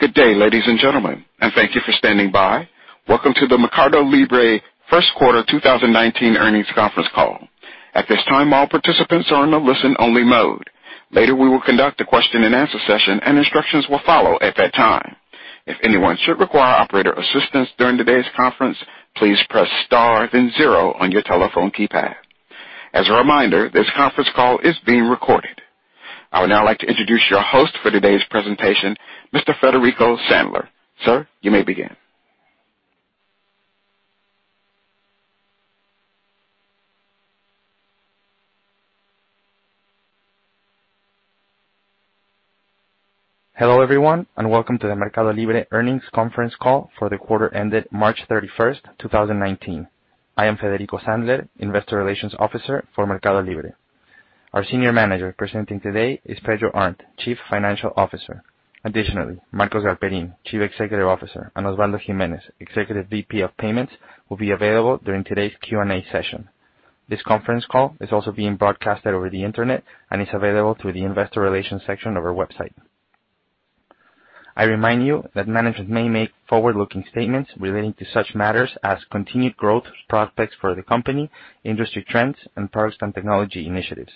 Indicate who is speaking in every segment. Speaker 1: Good day, ladies and gentlemen, and thank you for standing by. Welcome to the MercadoLibre First Quarter 2019 Earnings Conference Call. At this time, all participants are in a listen-only mode. Later, we will conduct a question-and-answer session and instructions will follow at that time. If anyone should require operator assistance during today's conference, please press star then zero on your telephone keypad. As a reminder, this conference call is being recorded. I would now like to introduce your host for today's presentation, Mr. Federico Sandler. Sir, you may begin.
Speaker 2: Hello everyone, and welcome to the MercadoLibre earnings conference call for the quarter ended March 31st, 2019. I am Federico Sandler, investor relations officer for MercadoLibre. Our senior manager presenting today is Pedro Arnt, chief financial officer. Additionally, Marcos Galperin, chief executive officer, and Osvaldo Gimenez, executive VP of payments, will be available during today's Q&A session. This conference call is also being broadcast over the internet and is available through the investor relations section of our website. I remind you that management may make forward-looking statements relating to such matters as continued growth prospects for the company, industry trends, and products and technology initiatives.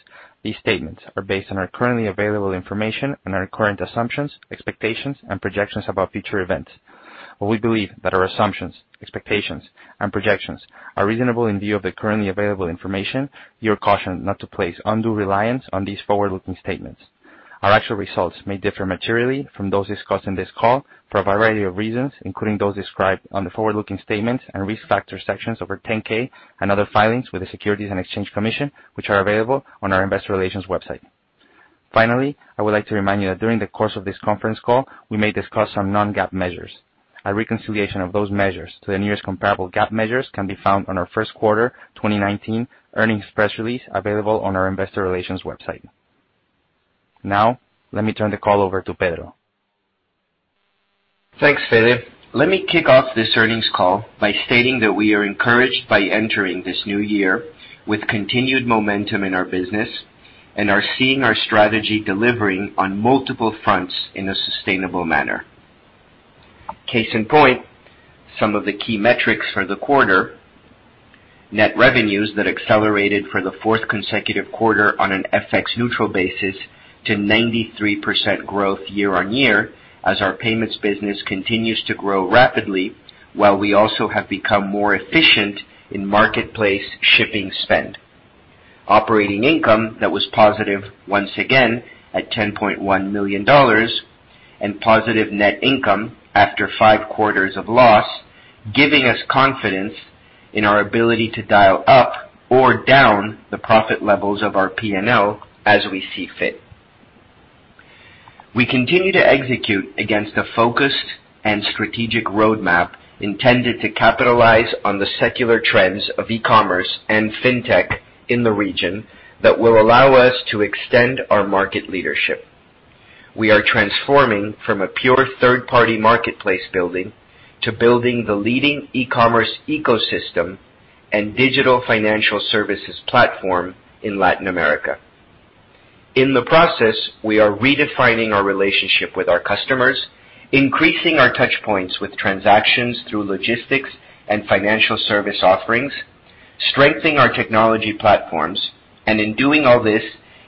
Speaker 2: These statements are based on our currently available information and our current assumptions, expectations, and projections about future events. While we believe that our assumptions, expectations and projections are reasonable in view of the currently available information, you are cautioned not to place undue reliance on these forward-looking statements. Our actual results may differ materially from those discussed on this call for a variety of reasons, including those described on the forward-looking statements and risk factor sections of our 10-K and other filings with the Securities and Exchange Commission, which are available on our investor relations website. Finally, I would like to remind you that during the course of this conference call, we may discuss some non-GAAP measures. A reconciliation of those measures to the nearest comparable GAAP measures can be found on our first quarter 2019 earnings press release available on our investor relations website. Now, let me turn the call over to Pedro.
Speaker 3: Thanks, Fede. Let me kick off this earnings call by stating that we are encouraged by entering this new year with continued momentum in our business and are seeing our strategy delivering on multiple fronts in a sustainable manner. Case in point, some of the key metrics for the quarter, net revenues that accelerated for the fourth consecutive quarter on an FX neutral basis to 93% growth year-on-year as our payments business continues to grow rapidly, while we also have become more efficient in marketplace shipping spend. Operating income that was positive once again at $10.1 million and positive net income after five quarters of loss, giving us confidence in our ability to dial up or down the profit levels of our P&L as we see fit. We continue to execute against a focused and strategic roadmap intended to capitalize on the secular trends of e-commerce and fintech in the region that will allow us to extend our market leadership. We are transforming from a pure third-party marketplace building to building the leading e-commerce ecosystem and digital financial services platform in Latin America. In the process, we are redefining our relationship with our customers, increasing our touch points with transactions through logistics and financial service offerings, strengthening our technology platforms, and in doing all this,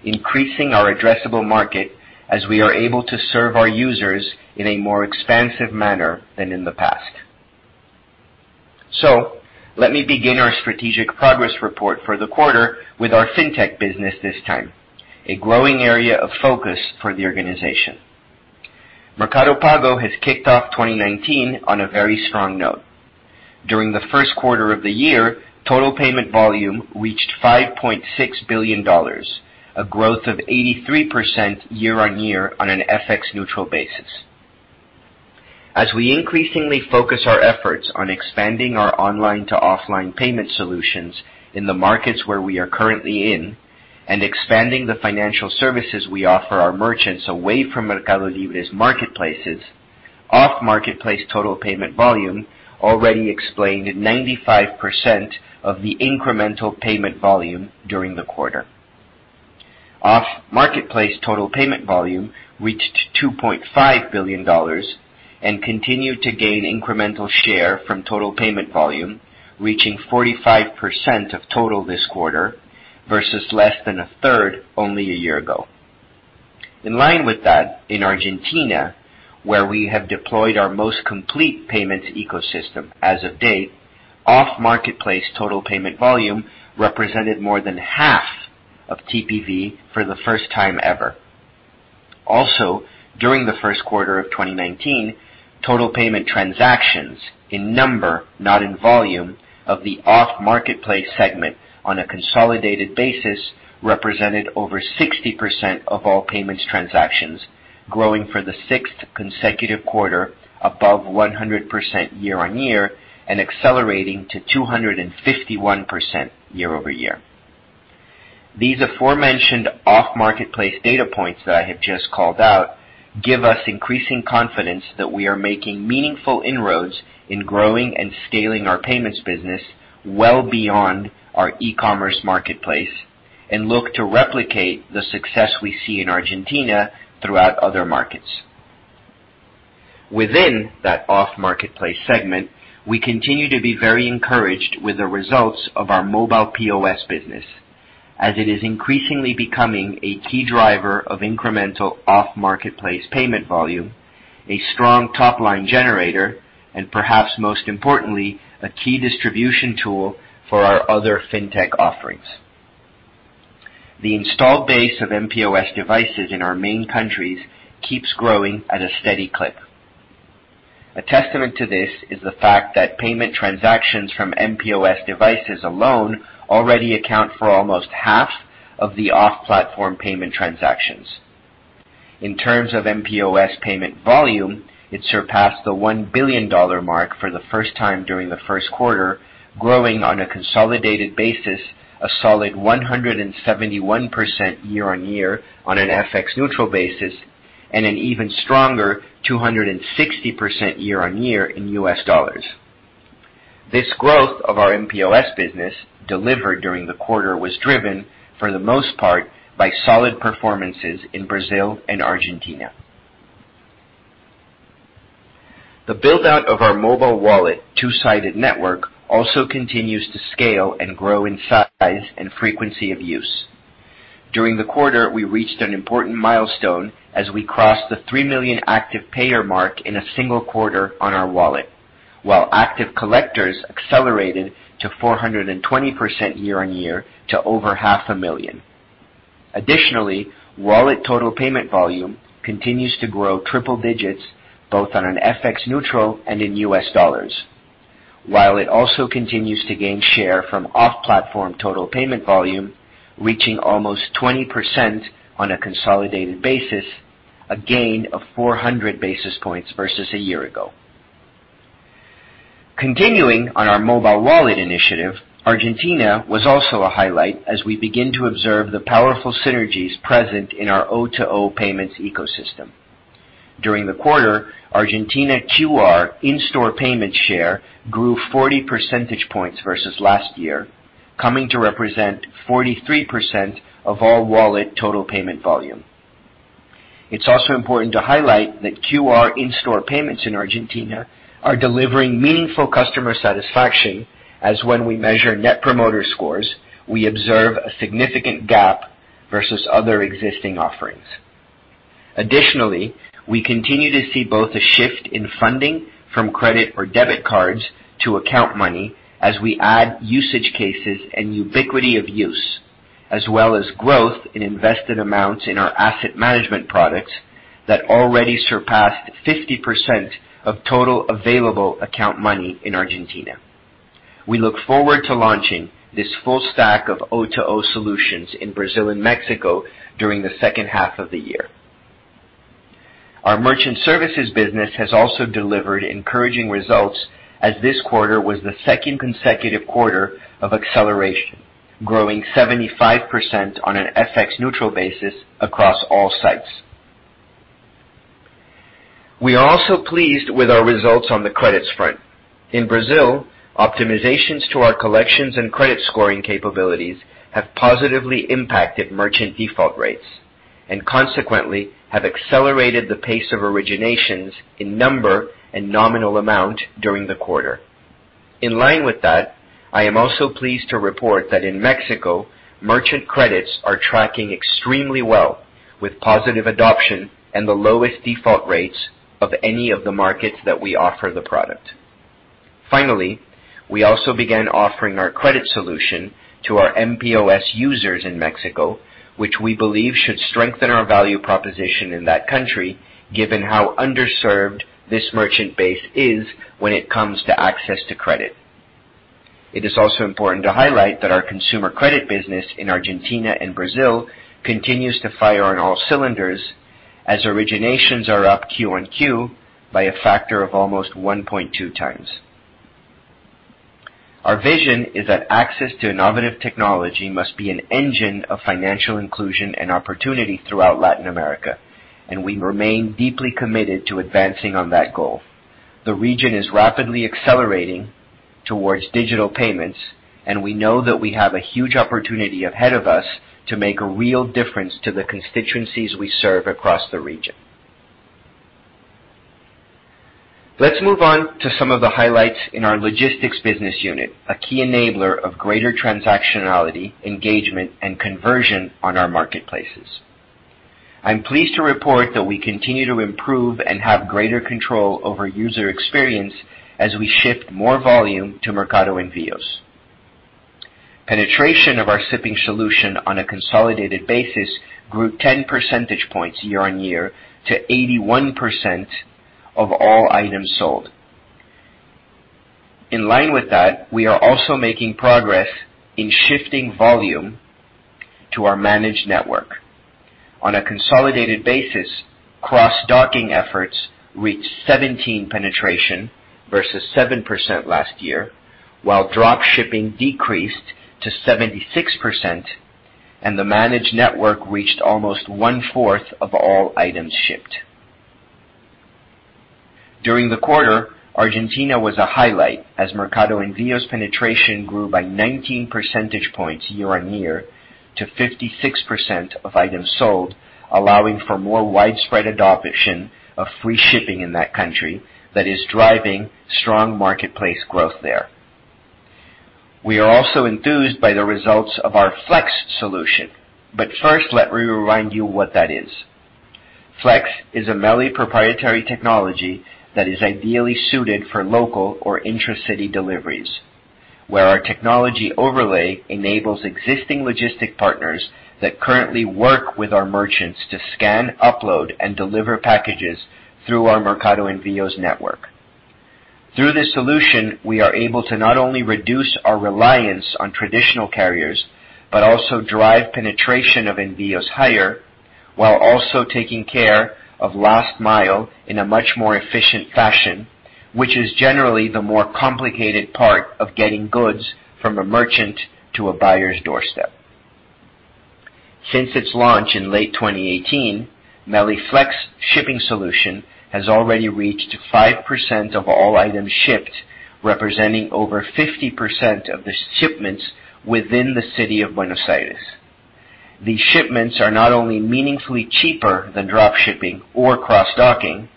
Speaker 3: increasing our addressable market as we are able to serve our users in a more expansive manner than in the past. Let me begin our strategic progress report for the quarter with our fintech business this time, a growing area of focus for the organization. Mercado Pago has kicked off 2019 on a very strong note. During the first quarter of the year, total payment volume reached $5.6 billion, a growth of 83% year-over-year on an FX neutral basis. As we increasingly focus our efforts on expanding our O2O payment solutions in the markets where we are currently in and expanding the financial services we offer our merchants away from MercadoLibre's marketplaces, off-marketplace total payment volume already explained 95% of the incremental payment volume during the quarter. Off-marketplace total payment volume reached $2.5 billion and continued to gain incremental share from total payment volume, reaching 45% of total this quarter versus less than a third only a year-ago. In line with that, in Argentina, where we have deployed our most complete payments ecosystem as of date, off-marketplace total payment volume represented more than half of TPV for the first time ever. Also, during the first quarter of 2019, total payment transactions in number, not in volume, of the off-marketplace segment on a consolidated basis represented over 60% of all payments transactions, growing for the sixth consecutive quarter above 100% year-over-year and accelerating to 251% year-over-year. These aforementioned off-marketplace data points that I have just called out give us increasing confidence that we are making meaningful inroads in growing and scaling our payments business well beyond our e-commerce marketplace and look to replicate the success we see in Argentina throughout other markets. Within that off-marketplace segment, we continue to be very encouraged with the results of our mPOS business as it is increasingly becoming a key driver of incremental off-marketplace payment volume, a strong top-line generator, and perhaps most importantly, a key distribution tool for our other fintech offerings. The installed base of mPOS devices in our main countries keeps growing at a steady clip. A testament to this is the fact that payment transactions from mPOS devices alone already account for almost half of the off-platform payment transactions. In terms of mPOS payment volume, it surpassed the $1 billion mark for the first time during the first quarter, growing on a consolidated basis a solid 171% year-over-year on an FX neutral basis and an even stronger 260% year-over-year in US dollars. This growth of our mPOS business delivered during the quarter was driven for the most part by solid performances in Brazil and Argentina. The build-out of our mobile wallet, two-sided network, also continues to scale and grow in size and frequency of use. During the quarter, we reached an important milestone as we crossed the 3 million active payer mark in a single quarter on our wallet, while active collectors accelerated to 420% year-over-year to over half a million. Additionally, wallet total payment volume continues to grow triple digits, both on an FX neutral and in US dollars. While it also continues to gain share from off-platform total payment volume, reaching almost 20% on a consolidated basis, a gain of 400 basis points versus a year ago. Continuing on our mobile wallet initiative, Argentina was also a highlight as we begin to observe the powerful synergies present in our O2O payments ecosystem. During the quarter, Argentina QR in-store payment share grew 40 percentage points versus last year, coming to represent 43% of all wallet total payment volume. It's also important to highlight that QR in-store payments in Argentina are delivering meaningful customer satisfaction as when we measure net promoter scores, we observe a significant gap versus other existing offerings. Additionally, we continue to see both a shift in funding from credit or debit cards to account money as we add usage cases and ubiquity of use, as well as growth in invested amounts in our asset management products that already surpassed 50% of total available account money in Argentina. We look forward to launching this full stack of O2O solutions in Brazil and Mexico during the second half of the year. Our merchant services business has also delivered encouraging results as this quarter was the second consecutive quarter of acceleration, growing 75% on an FX neutral basis across all sites. We are also pleased with our results on the credits front. In Brazil, optimizations to our collections and credit scoring capabilities have positively impacted merchant default rates and consequently have accelerated the pace of originations in number and nominal amount during the quarter. In line with that, I am also pleased to report that in Mexico, merchant credits are tracking extremely well with positive adoption and the lowest default rates of any of the markets that we offer the product. Finally, we also began offering our credit solution to our mPOS users in Mexico, which we believe should strengthen our value proposition in that country given how underserved this merchant base is when it comes to access to credit. It is also important to highlight that our consumer credit business in Argentina and Brazil continues to fire on all cylinders as originations are up Q1Q by a factor of almost 1.2 times. Our vision is that access to innovative technology must be an engine of financial inclusion and opportunity throughout Latin America, and we remain deeply committed to advancing on that goal. The region is rapidly accelerating towards digital payments, and we know that we have a huge opportunity ahead of us to make a real difference to the constituencies we serve across the region. Let's move on to some of the highlights in our logistics business unit, a key enabler of greater transactionality, engagement, and conversion on our marketplaces. I'm pleased to report that we continue to improve and have greater control over user experience as we shift more volume to Mercado Envios. Penetration of our shipping solution on a consolidated basis grew 10 percentage points year-over-year to 81% of all items sold. In line with that, we are also making progress in shifting volume to our managed network. On a consolidated basis, cross-docking efforts reached 17% penetration versus 7% last year. While drop shipping decreased to 76%, and the managed network reached almost one-fourth of all items shipped. During the quarter, Argentina was a highlight as Mercado Envios penetration grew by 19 percentage points year-on-year to 56% of items sold, allowing for more widespread adoption of free shipping in that country that is driving strong marketplace growth there. We are also enthused by the results of our Flex solution. First, let me remind you what that is. Flex is a MELI proprietary technology that is ideally suited for local or intracity deliveries, where our technology overlay enables existing logistic partners that currently work with our merchants to scan, upload, and deliver packages through our Mercado Envios network. Through this solution, we are able to not only reduce our reliance on traditional carriers, but also drive penetration of Envios higher, while also taking care of last mile in a much more efficient fashion, which is generally the more complicated part of getting goods from a merchant to a buyer's doorstep. Since its launch in late 2018, MELI Flex shipping solution has already reached 5% of all items shipped, representing over 50% of the shipments within the city of Buenos Aires. These shipments are not only meaningfully cheaper than drop shipping or cross-docking,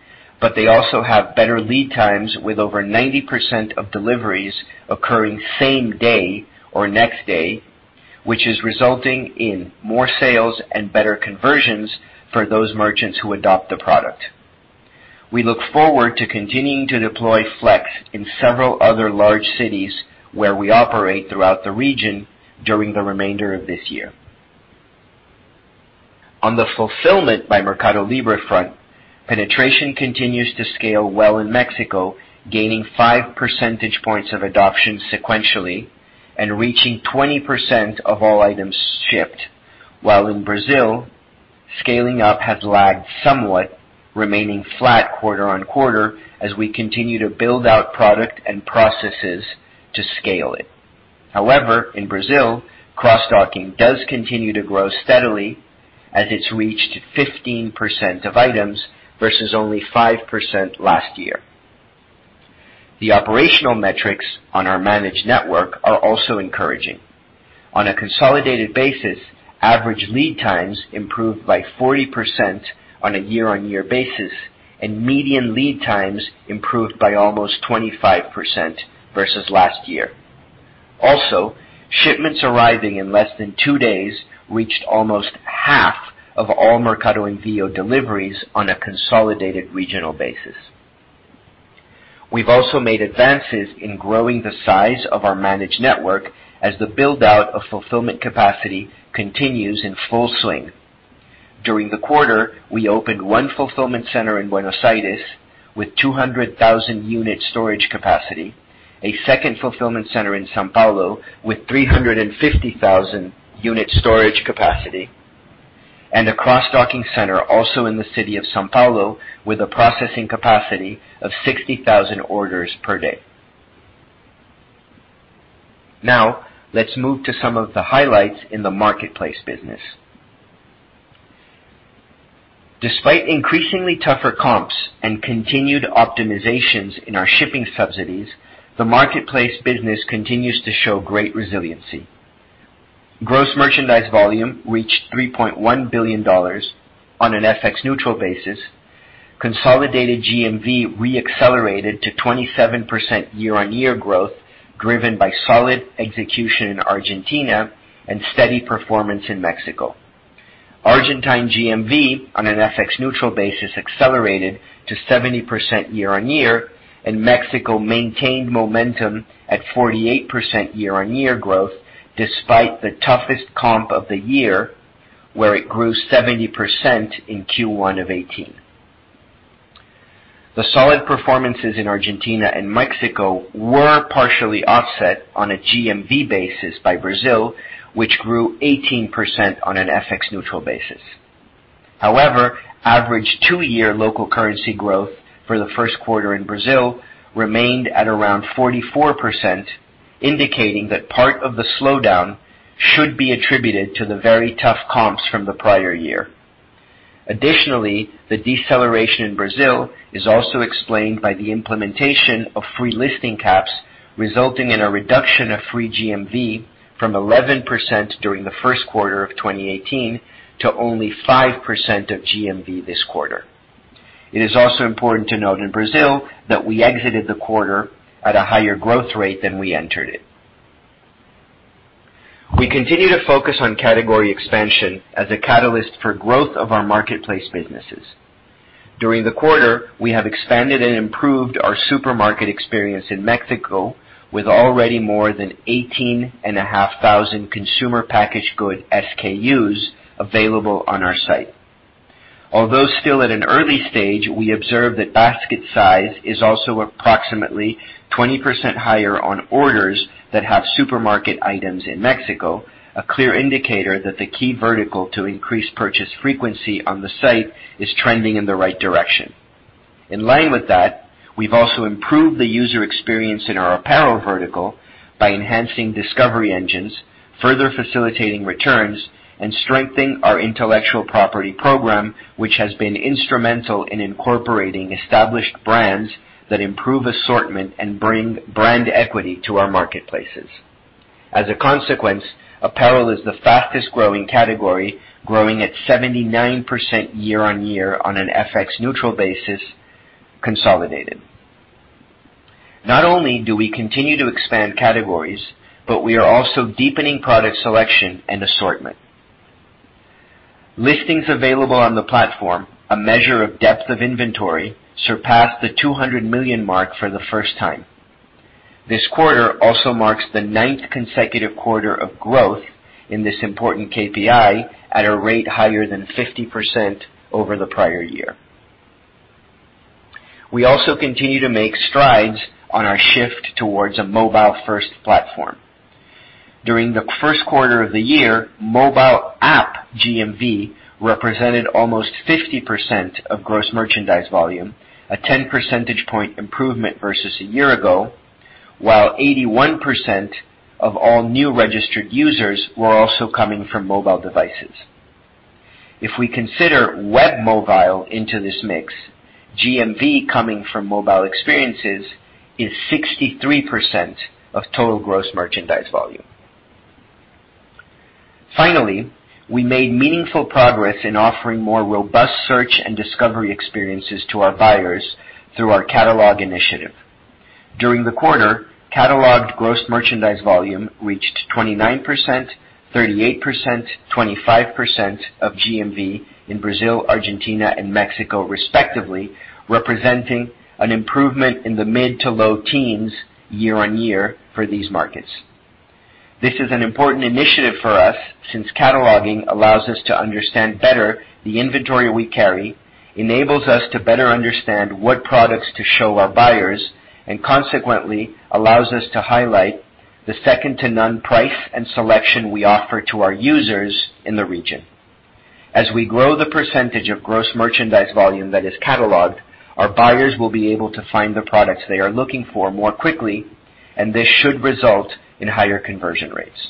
Speaker 3: but they also have better lead times with over 90% of deliveries occurring same day or next day, which is resulting in more sales and better conversions for those merchants who adopt the product. We look forward to continuing to deploy Flex in several other large cities where we operate throughout the region during the remainder of this year. On the fulfillment by MercadoLibre front, penetration continues to scale well in Mexico, gaining five percentage points of adoption sequentially and reaching 20% of all items shipped. While in Brazil, scaling up has lagged somewhat, remaining flat quarter-on-quarter as we continue to build out product and processes to scale it. However, in Brazil, cross-docking does continue to grow steadily as it's reached 15% of items versus only 5% last year. The operational metrics on our managed network are also encouraging. On a consolidated basis, average lead times improved by 40% on a year-on-year basis, and median lead times improved by almost 25% versus last year. Also, shipments arriving in less than two days reached almost half of all Mercado Envios deliveries on a consolidated regional basis. We've also made advances in growing the size of our managed network as the build-out of fulfillment capacity continues in full swing. During the quarter, we opened one fulfillment center in Buenos Aires with 200,000 unit storage capacity, a second fulfillment center in São Paulo with 350,000 unit storage capacity, and a cross-docking center also in the city of São Paulo with a processing capacity of 60,000 orders per day. Let's move to some of the highlights in the marketplace business. Despite increasingly tougher comps and continued optimizations in our shipping subsidies, the marketplace business continues to show great resiliency. Gross merchandise volume reached $3.1 billion on an FX neutral basis. Consolidated GMV re-accelerated to 27% year-on-year growth, driven by solid execution in Argentina and steady performance in Mexico. Argentine GMV, on an FX neutral basis, accelerated to 70% year-on-year, and Mexico maintained momentum at 48% year-on-year growth, despite the toughest comp of the year, where it grew 70% in Q1 of 2018. The solid performances in Argentina and Mexico were partially offset on a GMV basis by Brazil, which grew 18% on an FX neutral basis. However, average two-year local currency growth for the first quarter in Brazil remained at around 44%, indicating that part of the slowdown should be attributed to the very tough comps from the prior year. Additionally, the deceleration in Brazil is also explained by the implementation of free listing caps, resulting in a reduction of free GMV from 11% during the first quarter of 2018 to only 5% of GMV this quarter. It is also important to note in Brazil that we exited the quarter at a higher growth rate than we entered it. We continue to focus on category expansion as a catalyst for growth of our marketplace businesses. During the quarter, we have expanded and improved our supermarket experience in Mexico with already more than 18,500 consumer packaged good SKUs available on our site. Although still at an early stage, we observe that basket size is also approximately 20% higher on orders that have supermarket items in Mexico, a clear indicator that the key vertical to increase purchase frequency on the site is trending in the right direction. In line with that, we've also improved the user experience in our apparel vertical by enhancing discovery engines, further facilitating returns, and strengthening our intellectual property program, which has been instrumental in incorporating established brands that improve assortment and bring brand equity to our marketplaces. As a consequence, apparel is the fastest-growing category, growing at 79% year-on-year on an FX neutral basis consolidated. Not only do we continue to expand categories, but we are also deepening product selection and assortment. Listings available on the platform, a measure of depth of inventory, surpassed the 200 million mark for the first time. This quarter also marks the ninth consecutive quarter of growth in this important KPI at a rate higher than 50% over the prior year. We also continue to make strides on our shift towards a mobile-first platform. During the first quarter of the year, mobile app GMV represented almost 50% of gross merchandise volume, a 10 percentage point improvement versus a year ago, while 81% of all new registered users were also coming from mobile devices. If we consider web mobile into this mix, GMV coming from mobile experiences is 63% of total gross merchandise volume. Finally, we made meaningful progress in offering more robust search and discovery experiences to our buyers through our catalog initiative. During the quarter, cataloged gross merchandise volume reached 29%, 38%, 25% of GMV in Brazil, Argentina, and Mexico, respectively, representing an improvement in the mid to low teens year-on-year for these markets. This is an important initiative for us since cataloging allows us to understand better the inventory we carry, enables us to better understand what products to show our buyers, and consequently allows us to highlight the second-to-none price and selection we offer to our users in the region. As we grow the percentage of gross merchandise volume that is cataloged, our buyers will be able to find the products they are looking for more quickly, and this should result in higher conversion rates.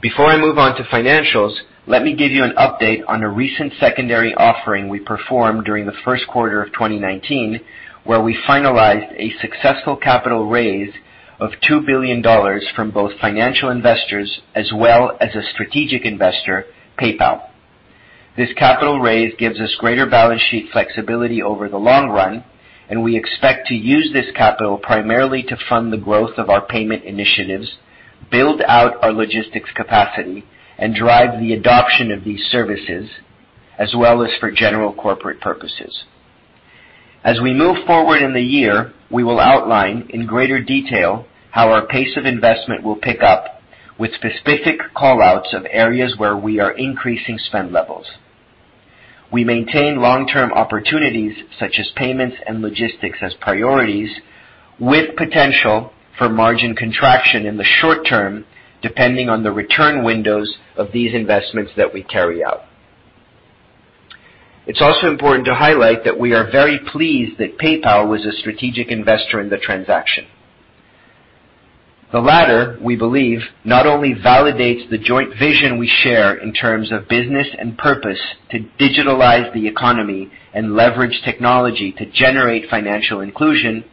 Speaker 3: Before I move on to financials, let me give you an update on a recent secondary offering we performed during the first quarter of 2019, where we finalized a successful capital raise of $2 billion from both financial investors as well as a strategic investor, PayPal. This capital raise gives us greater balance sheet flexibility over the long run, and we expect to use this capital primarily to fund the growth of our payment initiatives, build out our logistics capacity, and drive the adoption of these services, as well as for general corporate purposes. As we move forward in the year, we will outline in greater detail how our pace of investment will pick up with specific call-outs of areas where we are increasing spend levels. We maintain long-term opportunities such as payments and logistics as priorities with potential for margin contraction in the short term, depending on the return windows of these investments that we carry out. It's also important to highlight that we are very pleased that PayPal was a strategic investor in the transaction. The latter, we believe, not only validates the joint vision we share in terms of business and purpose to digitalize the economy and leverage technology to generate financial inclusion,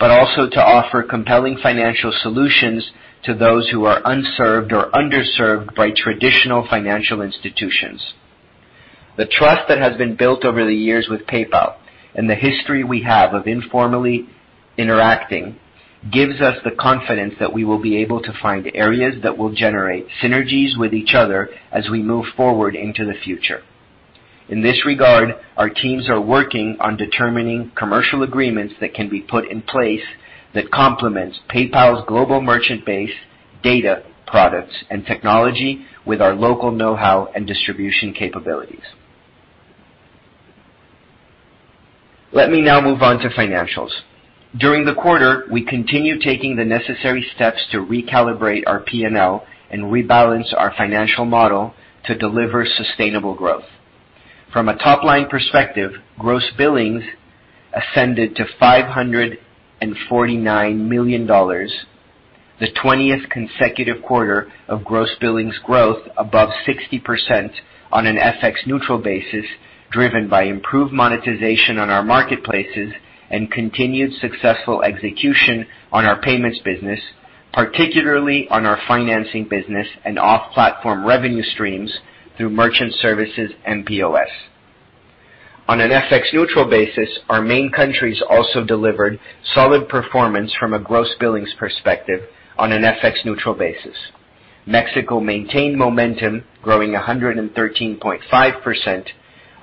Speaker 3: but also to offer compelling financial solutions to those who are unserved or underserved by traditional financial institutions. The trust that has been built over the years with PayPal and the history we have of informally interacting gives us the confidence that we will be able to find areas that will generate synergies with each other as we move forward into the future. In this regard, our teams are working on determining commercial agreements that can be put in place that complements PayPal's global merchant base, data products, and technology with our local know-how and distribution capabilities. Let me now move on to financials. During the quarter, we continued taking the necessary steps to recalibrate our P&L and rebalance our financial model to deliver sustainable growth. From a top-line perspective, gross billings ascended to $549 million, the 20th consecutive quarter of gross billings growth above 60% on an FX neutral basis, driven by improved monetization on our marketplaces and continued successful execution on our payments business, particularly on our financing business and off-platform revenue streams through merchant services and POS. On an FX neutral basis, our main countries also delivered solid performance from a gross billings perspective on an FX neutral basis. Mexico maintained momentum, growing 113.5%.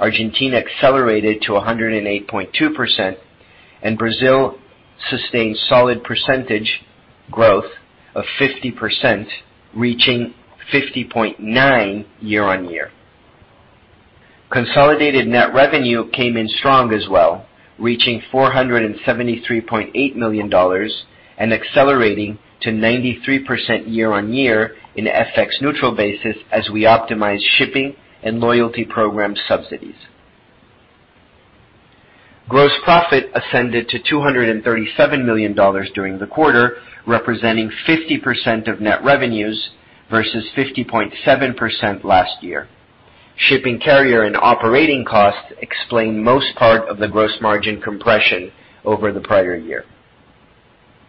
Speaker 3: Argentina accelerated to 108.2%, and Brazil sustained solid percentage growth of 50%, reaching 50.9% year-on-year. Consolidated net revenue came in strong as well. Reaching $473.8 million and accelerating to 93% year-on-year in FX neutral basis as we optimize shipping and loyalty program subsidies. Gross profit ascended to $237 million during the quarter, representing 50% of net revenues versus 50.7% last year. Shipping carrier and operating costs explain most part of the gross margin compression over the prior year.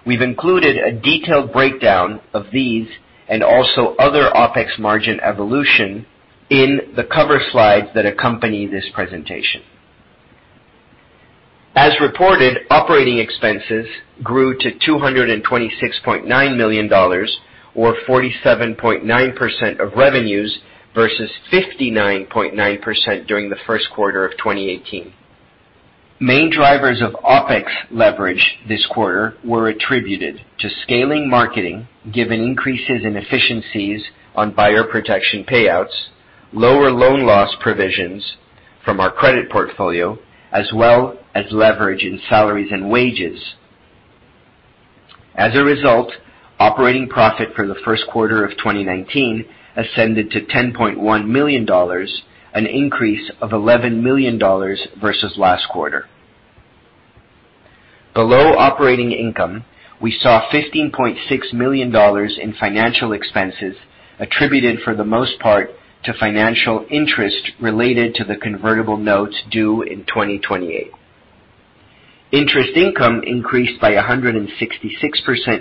Speaker 3: We've included a detailed breakdown of these and also other OpEx margin evolution in the cover slides that accompany this presentation. As reported, operating expenses grew to $226.9 million or 47.9% of revenues versus 59.9% during the first quarter of 2018. Main drivers of OpEx leverage this quarter were attributed to scaling marketing, given increases in efficiencies on buyer protection payouts, lower loan loss provisions from our credit portfolio, as well as leverage in salaries and wages. As a result, operating profit for the first quarter of 2019 ascended to $10.1 million, an increase of $11 million versus last quarter. Below operating income, we saw $15.6 million in financial expenses attributed for the most part to financial interest related to the convertible notes due in 2028. Interest income increased by 166%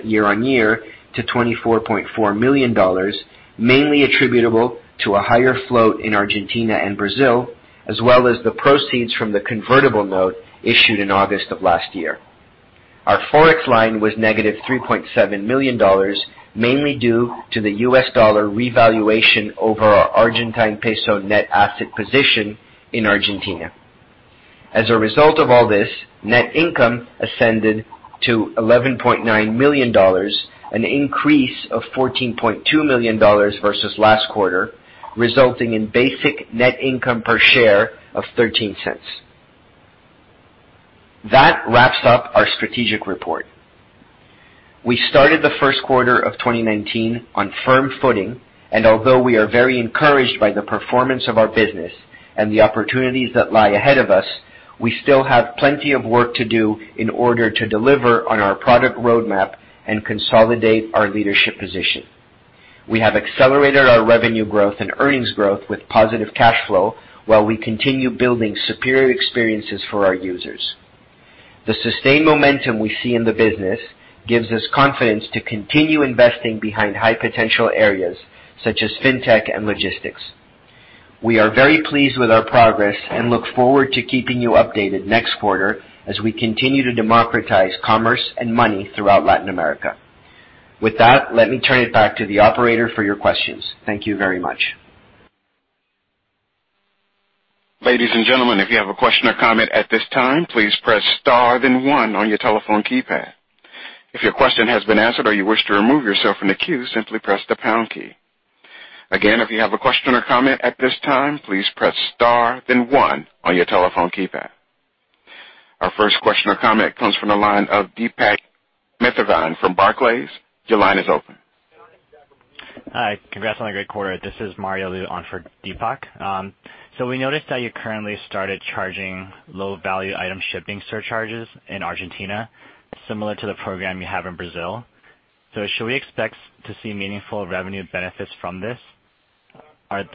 Speaker 3: year-on-year to $24.4 million, mainly attributable to a higher float in Argentina and Brazil, as well as the proceeds from the convertible note issued in August of last year. Our Forex line was negative $3.7 million, mainly due to the US dollar revaluation over our Argentine peso net asset position in Argentina. As a result of all this, net income ascended to $11.9 million, an increase of $14.2 million versus last quarter, resulting in basic net income per share of $0.13. We started the first quarter of 2019 on firm footing. Although we are very encouraged by the performance of our business and the opportunities that lie ahead of us, we still have plenty of work to do in order to deliver on our product roadmap and consolidate our leadership position. We have accelerated our revenue growth and earnings growth with positive cash flow while we continue building superior experiences for our users. The sustained momentum we see in the business gives us confidence to continue investing behind high-potential areas such as fintech and logistics. We are very pleased with our progress and look forward to keeping you updated next quarter as we continue to democratize commerce and money throughout Latin America. With that, let me turn it back to the operator for your questions. Thank you very much.
Speaker 1: Ladies and gentlemen, if you have a question or comment at this time, please press star then one on your telephone keypad. If your question has been answered or you wish to remove yourself from the queue, simply press the pound key. Again, if you have a question or comment at this time, please press star then one on your telephone keypad. Our first question or comment comes from the line of Deepak from Barclays. Your line is open.
Speaker 4: Hi. Congrats on a great quarter. This is Mario Lu on for Deepak. We noticed that you currently started charging low-value item shipping surcharges in Argentina, similar to the program you have in Brazil. Should we expect to see meaningful revenue benefits from this?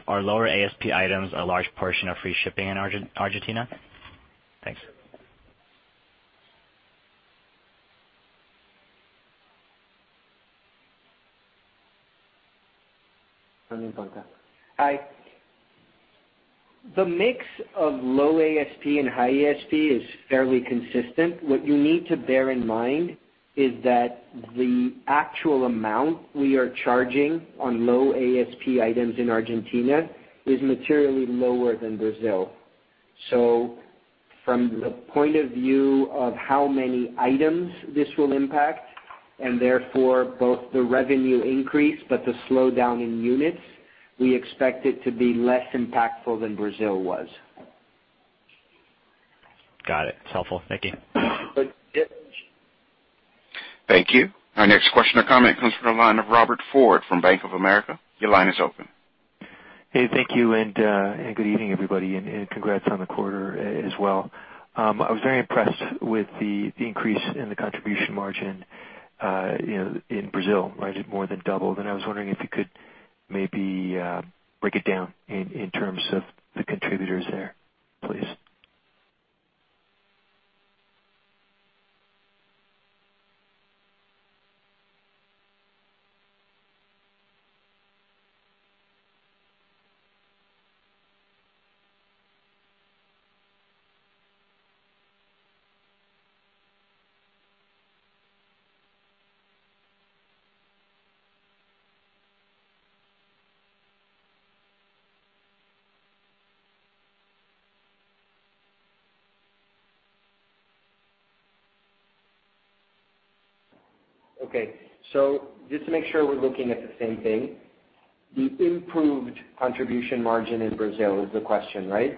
Speaker 4: Are lower ASP items a large portion of free shipping in Argentina? Thanks.
Speaker 3: Hi. The mix of low ASP and high ASP is fairly consistent. What you need to bear in mind is that the actual amount we are charging on low ASP items in Argentina is materially lower than Brazil. From the point of view of how many items this will impact and therefore both the revenue increase but the slowdown in units, we expect it to be less impactful than Brazil was.
Speaker 4: Got it. It's helpful. Thank you.
Speaker 1: Thank you. Our next question or comment comes from the line of Robert Ford from Bank of America. Your line is open.
Speaker 5: Hey, thank you. Good evening, everybody, and congrats on the quarter as well. I was very impressed with the increase in the contribution margin in Brazil. It more than doubled. I was wondering if you could maybe break it down in terms of the contributors there, please.
Speaker 3: Okay. Just to make sure we're looking at the same thing, the improved contribution margin in Brazil is the question, right?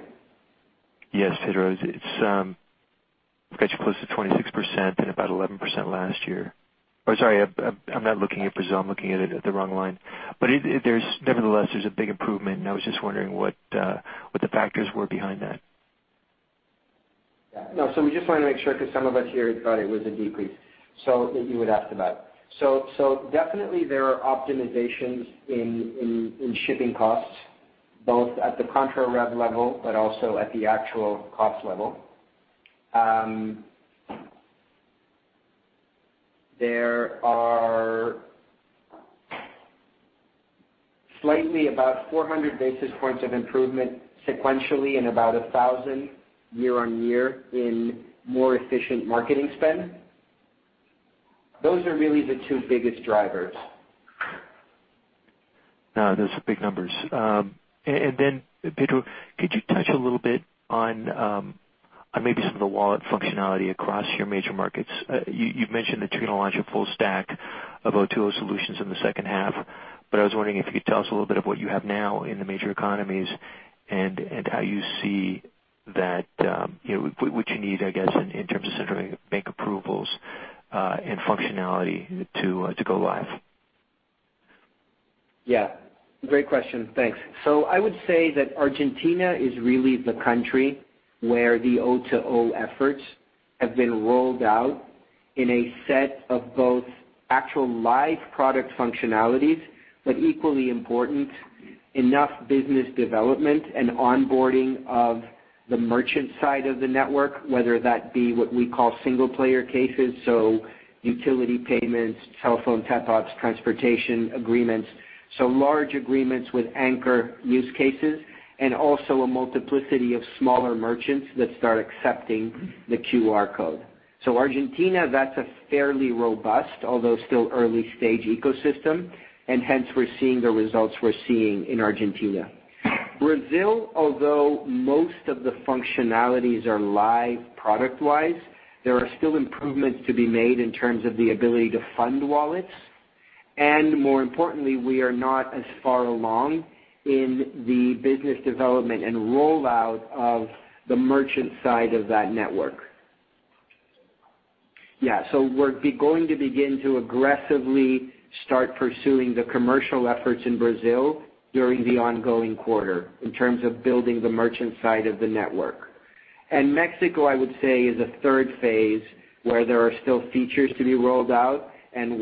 Speaker 5: Yes, Pedro. It's got you close to 26% and about 11% last year. Sorry, I'm not looking at Brazil, I'm looking at the wrong line. Nevertheless, there's a big improvement. I was just wondering what the factors were behind that.
Speaker 3: Yeah. No. We just wanted to make sure, because some of us here thought it was a decrease, so that you would ask about. Definitely, there are optimizations in shipping costs, both at the contra-revenue level, but also at the actual cost level. There are slightly about 400 basis points of improvement sequentially and about 1,000 year-on-year in more efficient marketing spend. Those are really the two biggest drivers.
Speaker 5: No, those are big numbers. Pedro, could you touch a little bit on maybe some of the wallet functionality across your major markets? You've mentioned that you're going to launch a full stack of O2O solutions in the second half, I was wondering if you could tell us a little bit of what you have now in the major economies and what you need, I guess, in terms of bank approvals and functionality to go live.
Speaker 3: Yeah. Great question. Thanks. I would say that Argentina is really the country where the O2O efforts have been rolled out in a set of both actual live product functionalities, equally important, enough business development and onboarding of the merchant side of the network, whether that be what we call single player cases, utility payments, telephone top-ups, transportation agreements. Large agreements with anchor use cases, and also a multiplicity of smaller merchants that start accepting the QR code. Argentina, that's a fairly robust, although still early-stage ecosystem, and hence we're seeing the results we're seeing in Argentina. Brazil, although most of the functionalities are live product-wise, there are still improvements to be made in terms of the ability to fund wallets. More importantly, we are not as far along in the business development and rollout of the merchant side of that network. Yeah. We're going to begin to aggressively start pursuing the commercial efforts in Brazil during the ongoing quarter in terms of building the merchant side of the network. Mexico, I would say, is a third phase where there are still features to be rolled out and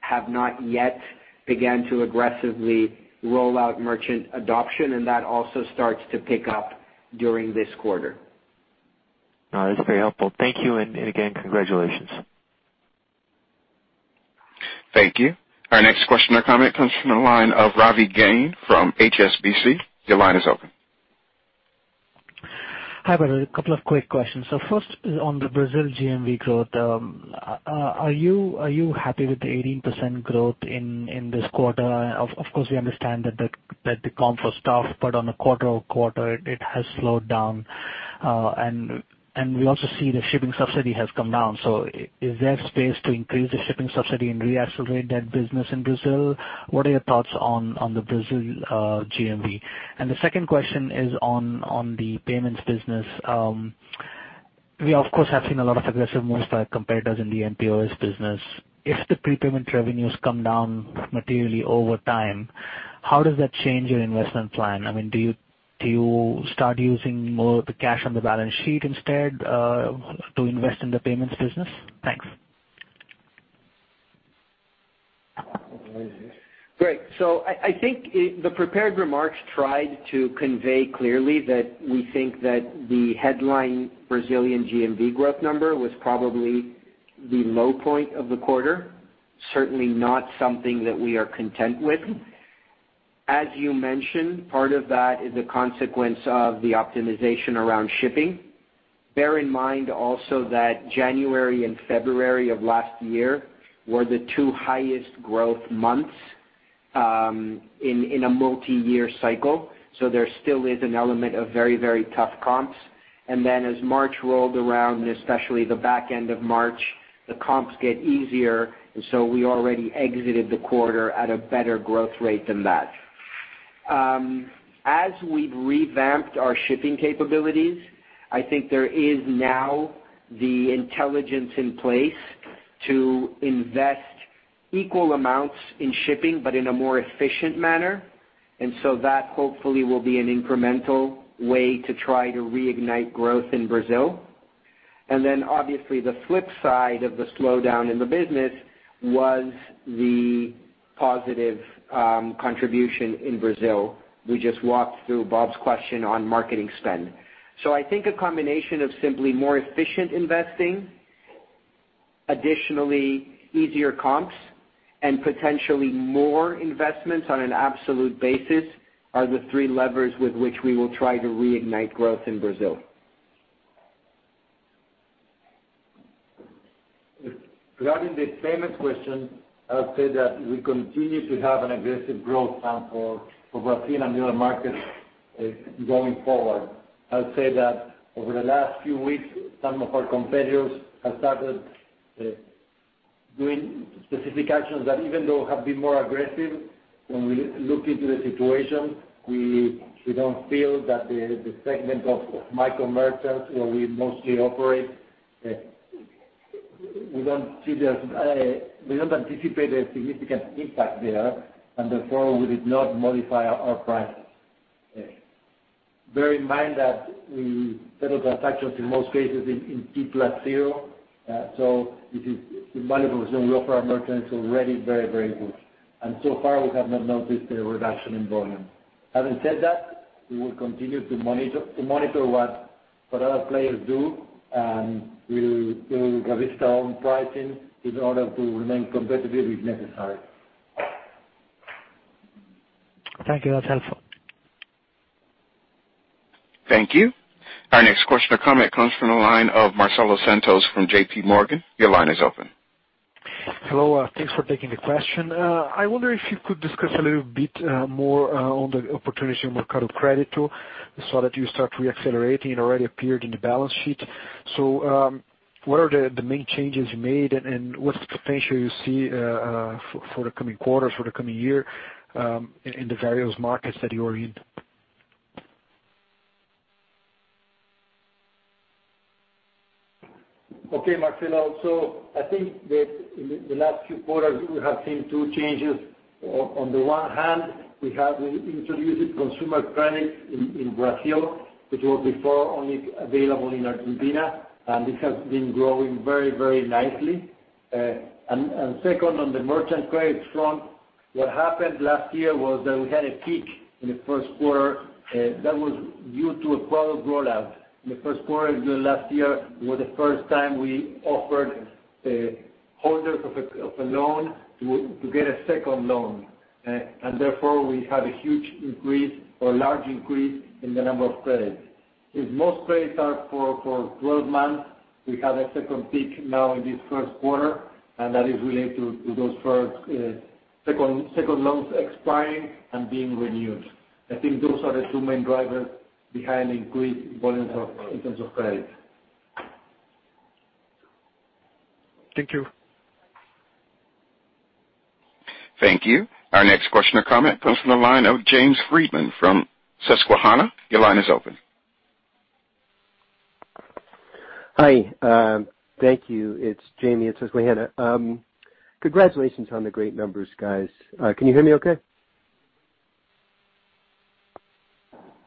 Speaker 3: have not yet began to aggressively roll out merchant adoption, and that also starts to pick up during this quarter.
Speaker 5: No, that's very helpful. Thank you. Again, congratulations.
Speaker 1: Thank you. Our next question or comment comes from the line of Ravi Jain from HSBC. Your line is open.
Speaker 6: Hi, Pedro. A couple of quick questions. First on the Brazil GMV growth. Are you happy with the 18% growth in this quarter? Of course, we understand that the comp was tough, but on a quarter-over-quarter, it has slowed down. We also see the shipping subsidy has come down. Is there space to increase the shipping subsidy and reaccelerate that business in Brazil? What are your thoughts on the Brazil GMV? The second question is on the payments business. We of course have seen a lot of aggressive moves by competitors in the mPOS business. If the prepayment revenues come down materially over time, how does that change your investment plan? I mean, do you start using more of the cash on the balance sheet instead to invest in the payments business? Thanks.
Speaker 3: Great. I think the prepared remarks tried to convey clearly that we think that the headline Brazilian GMV growth number was probably the low point of the quarter, certainly not something that we are content with. As you mentioned, part of that is a consequence of the optimization around shipping. Bear in mind also that January and February of last year were the two highest growth months in a multi-year cycle, there still is an element of very tough comps. As March rolled around, especially the back end of March, the comps get easier, we already exited the quarter at a better growth rate than that. As we've revamped our shipping capabilities, I think there is now the intelligence in place to invest equal amounts in shipping, but in a more efficient manner. That hopefully will be an incremental way to try to reignite growth in Brazil. Obviously the flip side of the slowdown in the business was the positive contribution in Brazil. We just walked through Bob's question on marketing spend. I think a combination of simply more efficient investing, additionally easier comps, and potentially more investments on an absolute basis are the three levers with which we will try to reignite growth in Brazil.
Speaker 7: Regarding the payment question, I would say that we continue to have an aggressive growth plan for Brazil and the other markets. Going forward. I would say that over the last few weeks, some of our competitors have started doing specific actions that even though have been more aggressive, when we look into the situation, we don't feel that the segment of micro merchants where we mostly operate, we don't anticipate a significant impact there, and therefore we did not modify our prices. Bear in mind that we settle transactions in most cases in T+0. It is the value proposition we offer our merchants already very, very good. So far, we have not noticed a reduction in volume. Having said that, we will continue to monitor what other players do, and we will revisit our own pricing in order to remain competitive if necessary.
Speaker 6: Thank you. That's helpful.
Speaker 1: Thank you. Our next question or comment comes from the line of Marcelo Santos from JPMorgan. Your line is open.
Speaker 8: Hello. Thanks for taking the question. I wonder if you could discuss a little bit more on the opportunity of Mercado Credito, saw that you start re-accelerating. It already appeared in the balance sheet. What are the main changes you made and what's the potential you see for the coming quarters, for the coming year, in the various markets that you are in?
Speaker 7: Okay, Marcelo. I think that in the last few quarters we have seen two changes. On the one hand, we have reintroduced consumer credit in Brazil, which was before only available in Argentina, and it has been growing very, very nicely. Second, on the merchant credit front, what happened last year was that we had a peak in the first quarter that was due to a product rollout. In the first quarter last year was the first time we offered holders of a loan to get a second loan. We had a huge increase or large increase in the number of credits. If most credits are for 12 months, we have a second peak now in this first quarter, and that is related to those first second loans expiring and being renewed. I think those are the two main drivers behind increased volumes in terms of credit.
Speaker 8: Thank you.
Speaker 1: Thank you. Our next question or comment comes from the line of James Friedman from Susquehanna. Your line is open.
Speaker 9: Hi. Thank you. It's Jamie at Susquehanna. Congratulations on the great numbers, guys. Can you hear me okay?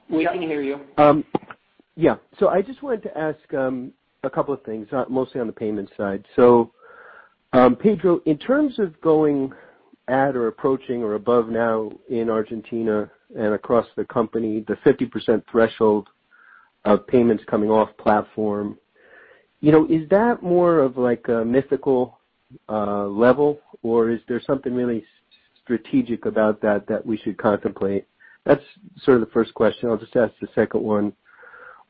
Speaker 7: We can hear you.
Speaker 9: Yeah. I just wanted to ask a couple of things, mostly on the payment side. Pedro, in terms of going at or approaching or above now in Argentina and across the company, the 50% threshold of payments coming off platform. Is that more of a mythical level or is there something really strategic about that we should contemplate? That's sort of the first question. I'll just ask the second one.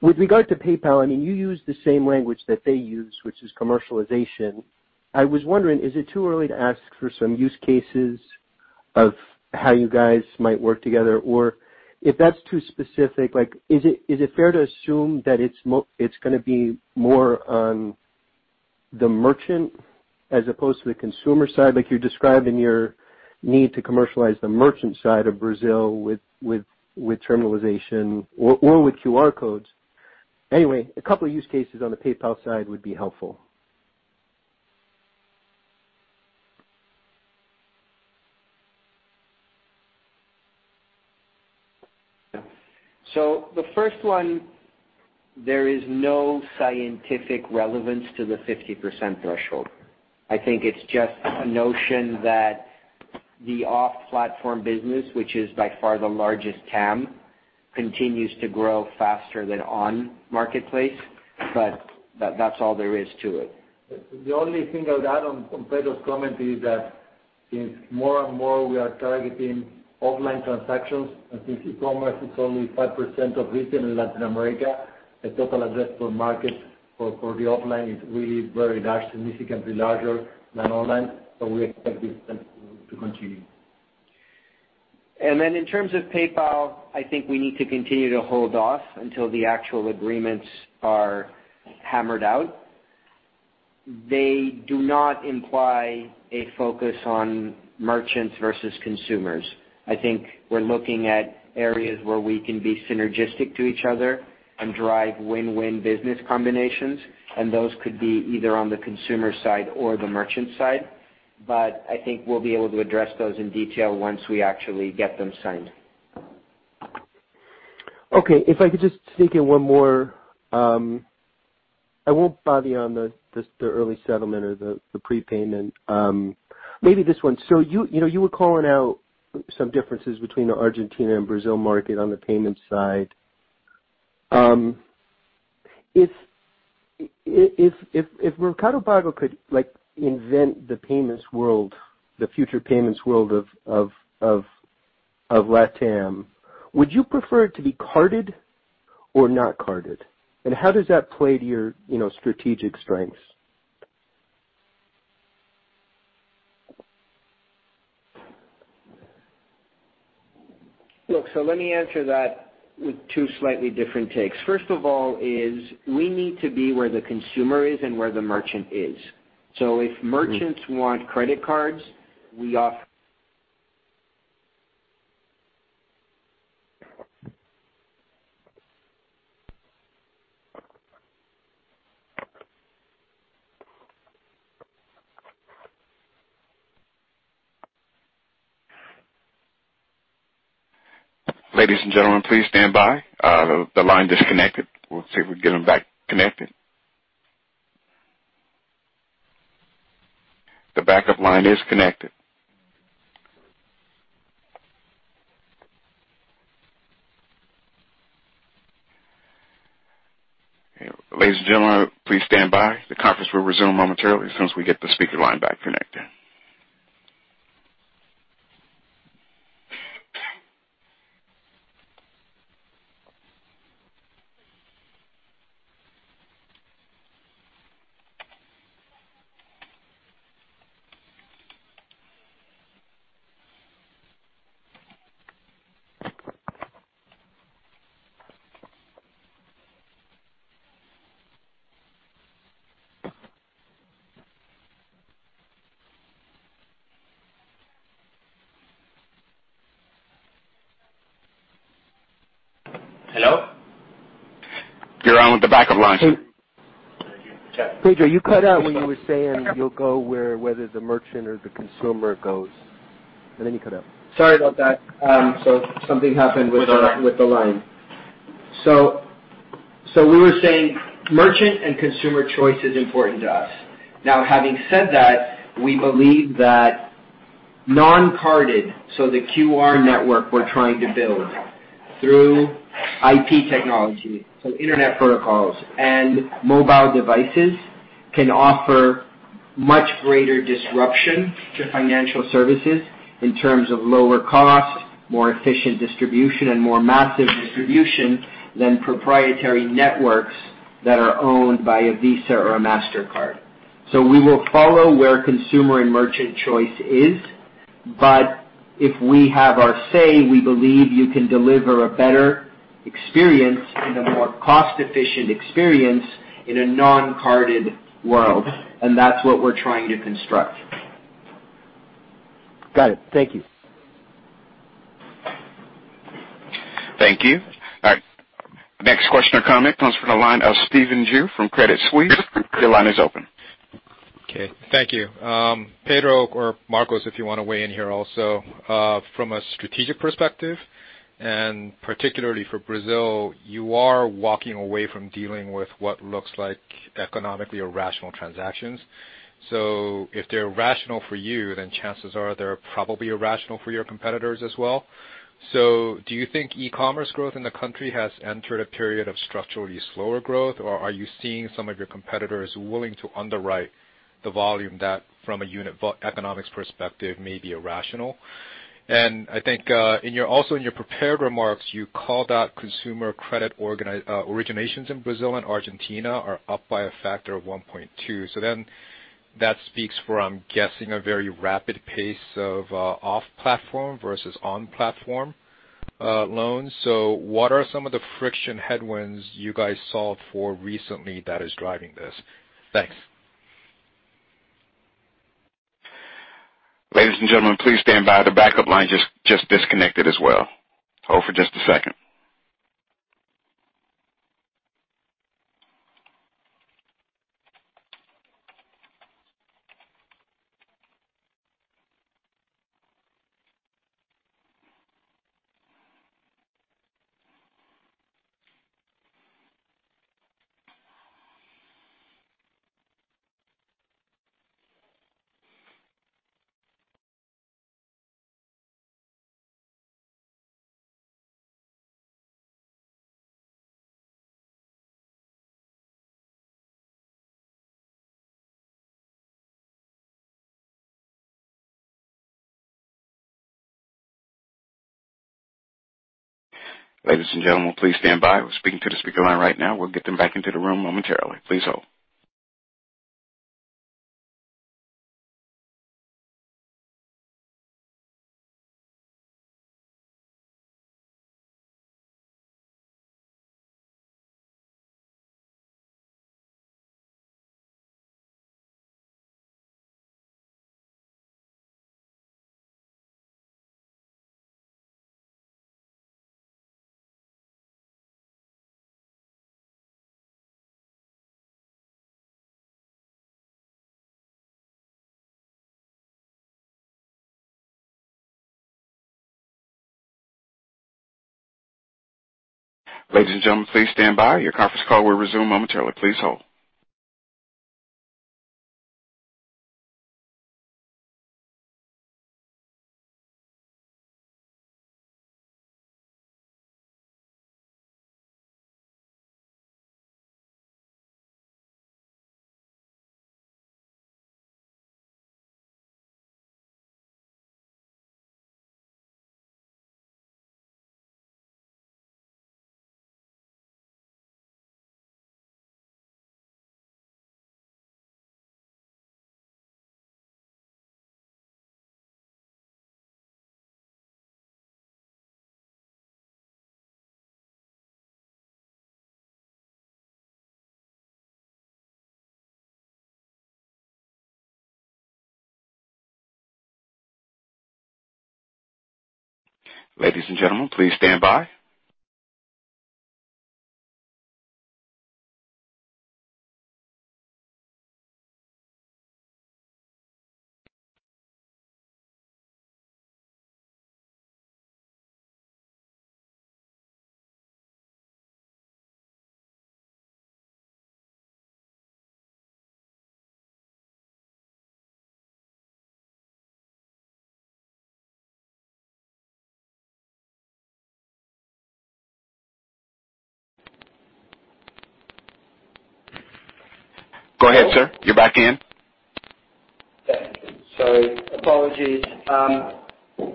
Speaker 9: With regard to PayPal, I mean, you use the same language that they use, which is commercialization. I was wondering, is it too early to ask for some use cases of how you guys might work together? If that's too specific, is it fair to assume that it's going to be more on the merchant as opposed to the consumer side like you describe in your need to commercialize the merchant side of Brazil with terminalization or with QR codes? Anyway, a couple use cases on the PayPal side would be helpful.
Speaker 3: The first one, there is no scientific relevance to the 50% threshold. I think it's just a notion that the off-platform business, which is by far the largest TAM, continues to grow faster than on marketplace, but that's all there is to it.
Speaker 7: The only thing I'd add on Pedro's comment is that is more and more we are targeting offline transactions. Since e-commerce is only 5% of retail in Latin America, the total addressable market for the offline is really very large, significantly larger than online. We expect this trend to continue.
Speaker 3: In terms of PayPal, I think we need to continue to hold off until the actual agreements are hammered out. They do not imply a focus on merchants versus consumers. I think we're looking at areas where we can be synergistic to each other and drive win-win business combinations, and those could be either on the consumer side or the merchant side. I think we'll be able to address those in detail once we actually get them signed.
Speaker 9: Okay, if I could just sneak in one more. I won't bother you on the early settlement or the prepayment. Maybe this one. You were calling out some differences between the Argentina and Brazil market on the payments side. If Mercado Pago could invent the future payments world of Latam, would you prefer it to be carded or not carded? How does that play to your strategic strengths?
Speaker 3: Look, let me answer that with two slightly different takes. First of all, we need to be where the consumer is and where the merchant is. If merchants want credit cards, we off-
Speaker 1: Ladies and gentlemen, please stand by. The line disconnected. We'll see if we can get them back connected. The backup line is connected. Ladies and gentlemen, please stand by. The conference will resume momentarily as soon as we get the speaker line back connected.
Speaker 3: Hello.
Speaker 1: You're on with the backup line.
Speaker 9: Pedro, you cut out when you were saying you'll go where, whether the merchant or the consumer goes. Then you cut out.
Speaker 3: Sorry about that. Something happened with the line. We were saying merchant and consumer choice is important to us. Now having said that, we believe that non-carded, the QR network we're trying to build through IP technology, internet protocols and mobile devices can offer much greater disruption to financial services in terms of lower cost, more efficient distribution, and more massive distribution than proprietary networks that are owned by a Visa or a Mastercard. We will follow where consumer and merchant choice is, but if we have our say, we believe you can deliver a better experience and a more cost-efficient experience in a non-carded world. That's what we're trying to construct.
Speaker 9: Got it. Thank you.
Speaker 1: Thank you. All right. Next question or comment comes from the line of Stephen Ju from Credit Suisse. Your line is open.
Speaker 10: Okay. Thank you. Pedro or Marcos, if you want to weigh in here also. From a strategic perspective, and particularly for Brazil, you are walking away from dealing with what looks like economically irrational transactions. If they're rational for you, then chances are they're probably irrational for your competitors as well. Do you think e-commerce growth in the country has entered a period of structurally slower growth? Or are you seeing some of your competitors willing to underwrite the volume that from a unit economics perspective may be irrational? I think also in your prepared remarks, you called out consumer credit originations in Brazil and Argentina are up by a factor of 1.2. That speaks for, I'm guessing, a very rapid pace of off-platform versus on-platform loans. What are some of the friction headwinds you guys solved for recently that is driving this? Thanks.
Speaker 1: Ladies and gentlemen, please stand by. The backup line just disconnected as well. Hold for just a second. Ladies and gentlemen, please stand by. We're speaking to the speaker line right now. We'll get them back into the room momentarily. Please hold. Ladies and gentlemen, please stand by. Your conference call will resume momentarily. Please hold. Ladies and gentlemen, please stand by. Go ahead, sir. You're back in.
Speaker 3: Sorry. Apologies.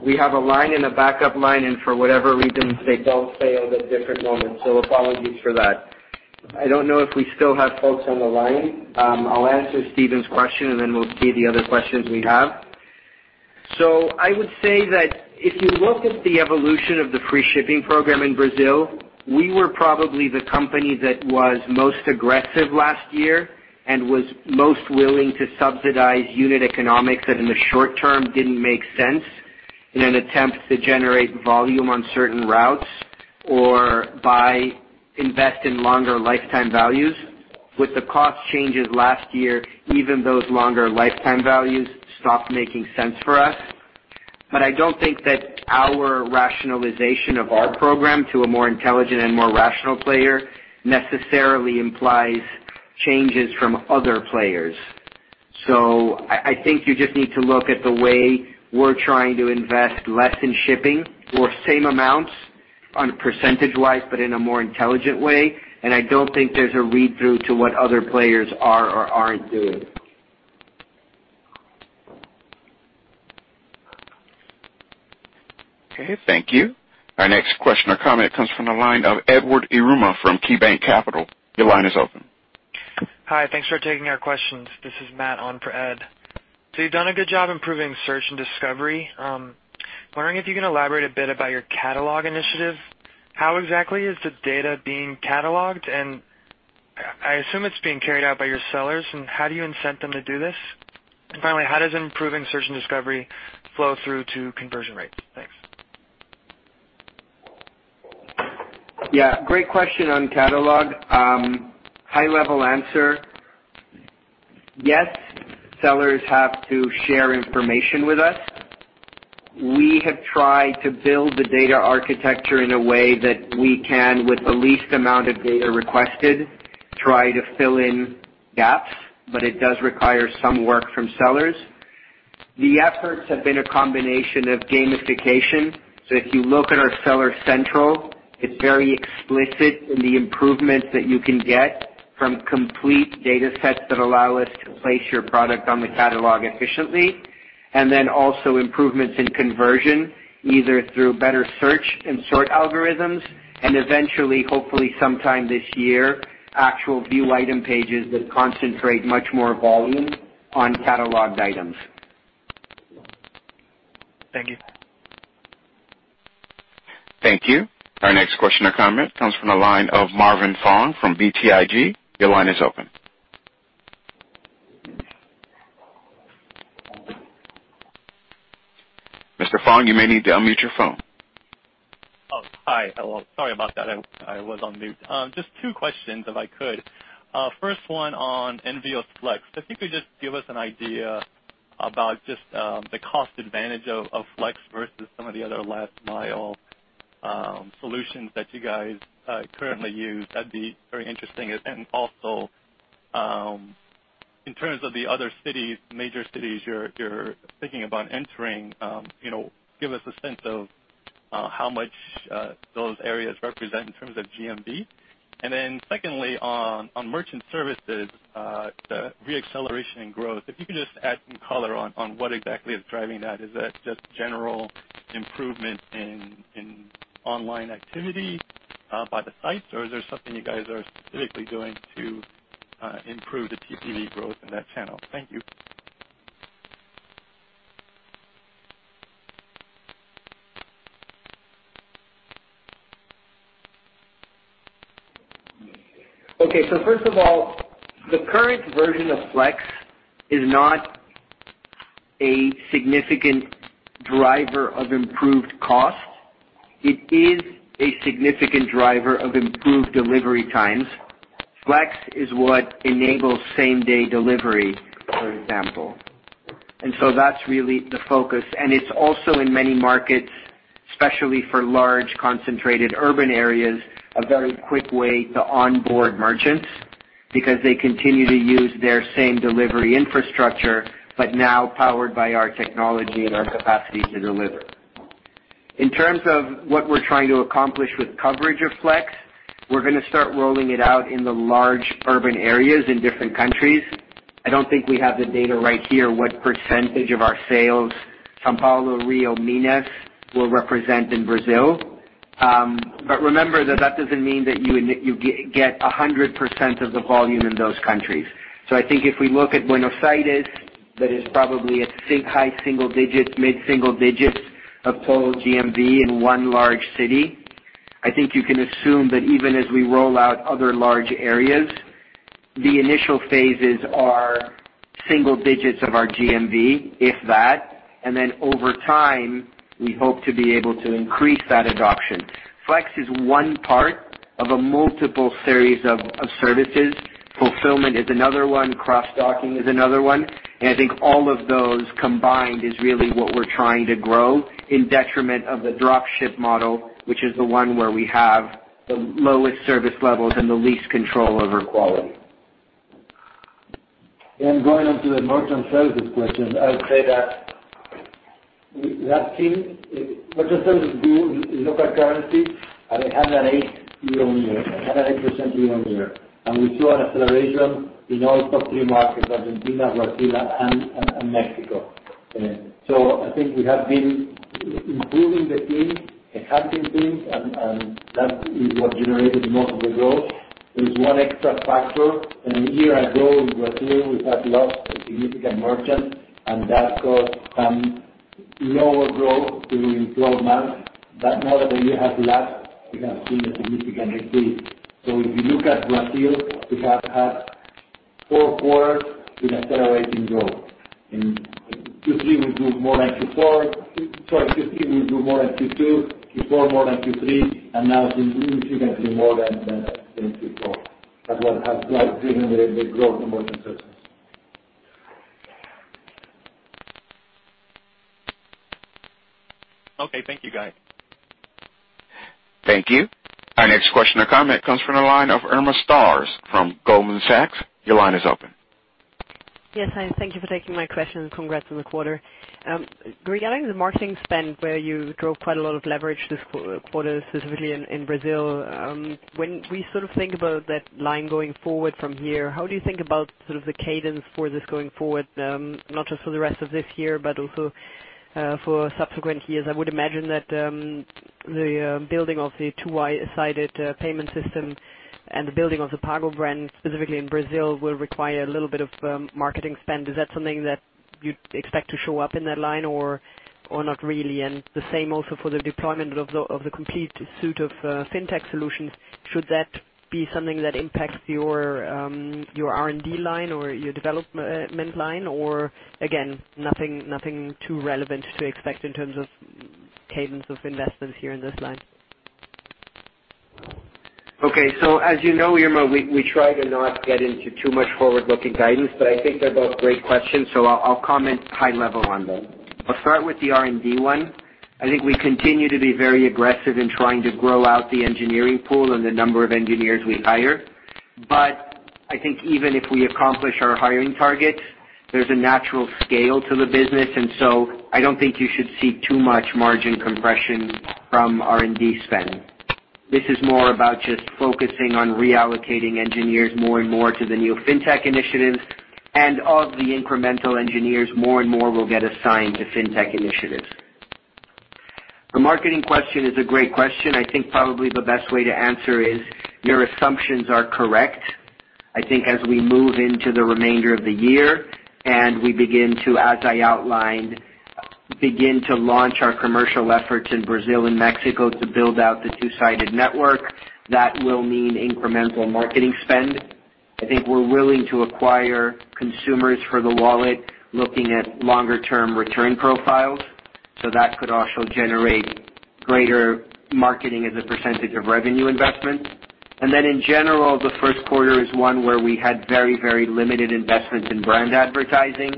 Speaker 3: We have a line and a backup line, and for whatever reason, they don't fail at different moments, so apologies for that. I don't know if we still have folks on the line. I'll answer Stephen's question, and then we'll see the other questions we have. I would say that if you look at the evolution of the free shipping program in Brazil, we were probably the company that was most aggressive last year and was most willing to subsidize unit economics that, in the short term, didn't make sense in an attempt to generate volume on certain routes or by invest in longer lifetime values. With the cost changes last year, even those longer lifetime values stopped making sense for us. I don't think that our rationalization of our program to a more intelligent and more rational player necessarily implies changes from other players. I think you just need to look at the way we're trying to invest less in shipping or same amounts percentage-wise, but in a more intelligent way, and I don't think there's a read-through to what other players are or aren't doing.
Speaker 1: Okay. Thank you. Our next question or comment comes from the line of Edward Yruma from KeyBanc Capital. Your line is open.
Speaker 11: Hi. Thanks for taking our questions. This is Matt on for Ed. You've done a good job improving search and discovery. I'm wondering if you can elaborate a bit about your catalog initiative. How exactly is the data being cataloged? I assume it's being carried out by your sellers, and how do you incent them to do this? Finally, how does improving search and discovery flow through to conversion rate? Thanks.
Speaker 3: Yeah, great question on catalog. High-level answer, yes, sellers have to share information with us. We have tried to build the data architecture in a way that we can, with the least amount of data requested, try to fill in gaps, but it does require some work from sellers. The efforts have been a combination of gamification. If you look at our Seller Central, it's very explicit in the improvements that you can get from complete data sets that allow us to place your product on the catalog efficiently. Also improvements in conversion, either through better search and sort algorithms, and eventually, hopefully sometime this year, actual view item pages that concentrate much more volume on cataloged items.
Speaker 11: Thank you.
Speaker 1: Thank you. Our next question or comment comes from the line of Marvin Fong from BTIG. Your line is open. Mr. Fong, you may need to unmute your phone.
Speaker 12: Oh, hi. Hello. Sorry about that. I was on mute. Just two questions, if I could. First one on Envíos Flex. If you could just give us an idea about just the cost advantage of Flex versus some of the other last-mile solutions that you guys currently use, that'd be very interesting. In terms of the other major cities you're thinking about entering, give us a sense of how much those areas represent in terms of GMV. Secondly, on merchant services, the re-acceleration in growth, if you could just add some color on what exactly is driving that. Is that just general improvement in online activity by the sites, or is there something you guys are specifically doing to improve the TPV growth in that channel? Thank you.
Speaker 3: Okay. First of all, the current version of Flex is not a significant driver of improved cost. It is a significant driver of improved delivery times. Flex is what enables same-day delivery, for example. That's really the focus. It's also in many markets, especially for large, concentrated urban areas, a very quick way to onboard merchants because they continue to use their same delivery infrastructure, but now powered by our technology and our capacity to deliver. In terms of what we're trying to accomplish with coverage of Flex, we're going to start rolling it out in the large urban areas in different countries. I don't think we have the data right here, what percentage of our sales São Paulo, Rio, Minas will represent in Brazil. Remember that that doesn't mean that you get 100% of the volume in those countries. I think if we look at Buenos Aires, that is probably at high single digits, mid-single digits of total GMV in one large city. I think you can assume that even as we roll out other large areas, the initial phases are single digits of our GMV, if that, over time, we hope to be able to increase that adoption. Flex is one part of a multiple series of services. Fulfillment is another one. Cross-docking is another one. I think all of those combined is really what we're trying to grow in detriment of the drop ship model, which is the one where we have the lowest service levels and the least control over quality.
Speaker 7: Going on to the merchant services question, I would say that merchant services grew in local currency at 108% year-on-year. We saw acceleration in all top three markets, Argentina, Brazil, and Mexico. I think we have been improving the team, enhancing things, and that is what generated most of the growth. There is one extra factor. A year ago in Brazil, we had lost a significant merchant, and that caused some lower growth during 12 months. Now that the year has lapsed, we have seen a significant increase. If you look at Brazil, we have had four quarters with accelerating growth. Sorry, Q2 we grew more than Q2, Q4 more than Q3, and now Q1 significantly more than Q4. That's what has driven the growth in merchant services.
Speaker 12: Okay. Thank you, guys.
Speaker 1: Thank you. Our next question or comment comes from the line of Irma Sgarz from Goldman Sachs. Your line is open.
Speaker 13: Yes. Hi, thank you for taking my question, and congrats on the quarter. Regarding the marketing spend, where you drove quite a lot of leverage this quarter, specifically in Brazil. When we think about that line going forward from here, how do you think about the cadence for this going forward? Not just for the rest of this year, but also for subsequent years. I would imagine that the building of the two-sided payment system and the building of the Pago brand specifically in Brazil, will require a little bit of marketing spend. Is that something that you'd expect to show up in that line or not really? The same also for the deployment of the complete suite of Fintech solutions. Should that be something that impacts your R&D line or your development line, again, nothing too relevant to expect in terms of cadence of investments here in this line?
Speaker 3: Okay. As you know, Irma, we try to not get into too much forward-looking guidance, I think they're both great questions. I'll comment high level on them. I'll start with the R&D one. I think we continue to be very aggressive in trying to grow out the engineering pool and the number of engineers we hire. I think even if we accomplish our hiring targets, there's a natural scale to the business, I don't think you should see too much margin compression from R&D spend. This is more about just focusing on reallocating engineers more and more to the new Fintech initiatives, and of the incremental engineers, more and more will get assigned to Fintech initiatives. The marketing question is a great question. I think probably the best way to answer is your assumptions are correct. I think as we move into the remainder of the year and we, as I outlined, begin to launch our commercial efforts in Brazil and Mexico to build out the two-sided network. That will mean incremental marketing spend. I think we're willing to acquire consumers for the wallet, looking at longer-term return profiles. That could also generate greater marketing as a percentage of revenue investment. In general, the first quarter is one where we had very limited investments in brand advertising.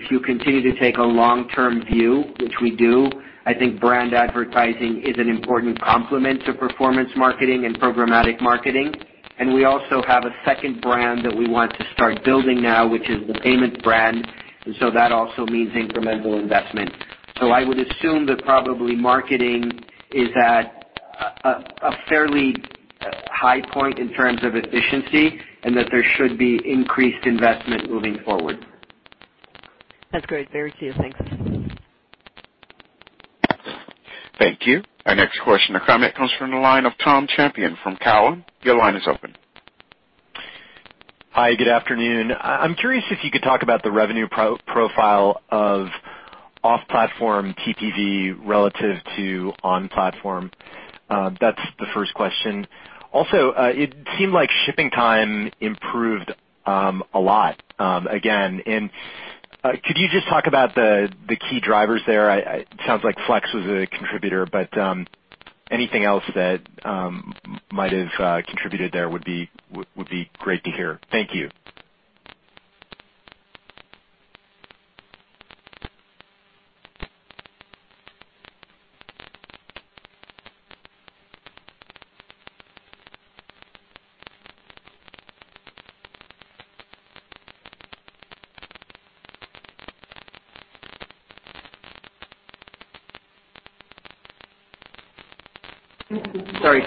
Speaker 3: If you continue to take a long-term view, which we do, I think brand advertising is an important complement to performance marketing and programmatic marketing. We also have a second brand that we want to start building now, which is the payments brand, that also means incremental investment. I would assume that probably marketing is at a fairly high point in terms of efficiency, that there should be increased investment moving forward.
Speaker 13: That's great. Very clear. Thanks.
Speaker 1: Thank you. Our next question or comment comes from the line of Tom Champion from Cowen. Your line is open.
Speaker 14: Hi, good afternoon. I'm curious if you could talk about the revenue profile of off-platform TPV relative to on-platform. That's the first question. Also, it seemed like shipping time improved a lot, again. Could you just talk about the key drivers there? It sounds like Flex was a contributor, but anything else that might have contributed there would be great to hear. Thank you.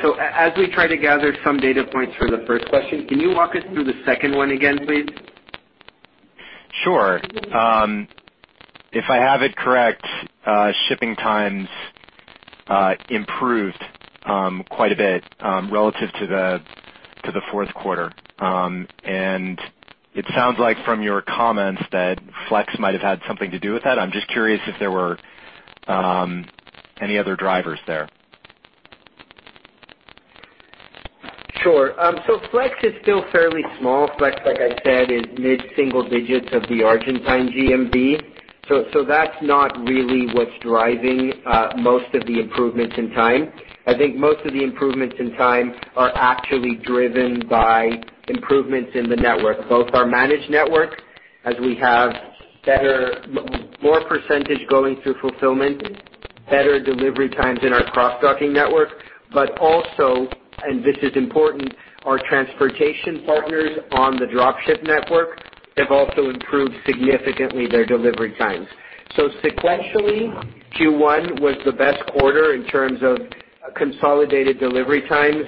Speaker 3: Sorry. As we try to gather some data points for the first question, can you walk us through the second one again, please?
Speaker 14: Sure. If I have it correct, shipping times improved quite a bit relative to the fourth quarter. It sounds like from your comments that Flex might have had something to do with that. I'm just curious if there were any other drivers there.
Speaker 3: Sure. Flex is still fairly small. Flex, like I said, is mid-single digits of the Argentine GMV. That's not really what's driving most of the improvements in time. I think most of the improvements in time are actually driven by improvements in the network, both our managed network, as we have more percentage going through fulfillment, better delivery times in our cross-docking network. Also, and this is important, our transportation partners on the drop ship network have also improved significantly their delivery times. Sequentially, Q1 was the best quarter in terms of consolidated delivery times,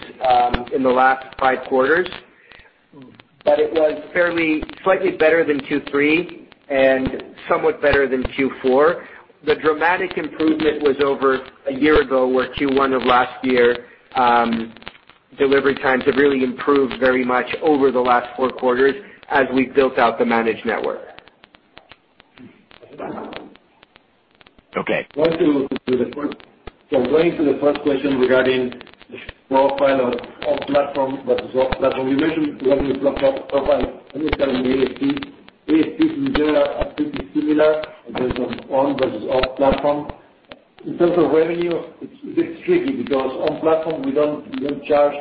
Speaker 3: in the last five quarters. It was slightly better than Q3 and somewhat better than Q4. The dramatic improvement was over a year ago, where Q1 of last year, delivery times have really improved very much over the last four quarters as we've built out the managed network.
Speaker 14: Okay.
Speaker 7: Going to the first question regarding the profile of off-platform versus off-platform. You mentioned revenue profile, and it's kind of related to ASPs. ASPs in general are pretty similar based on on versus off-platform. In terms of revenue, it's a bit tricky because on-platform, we don't charge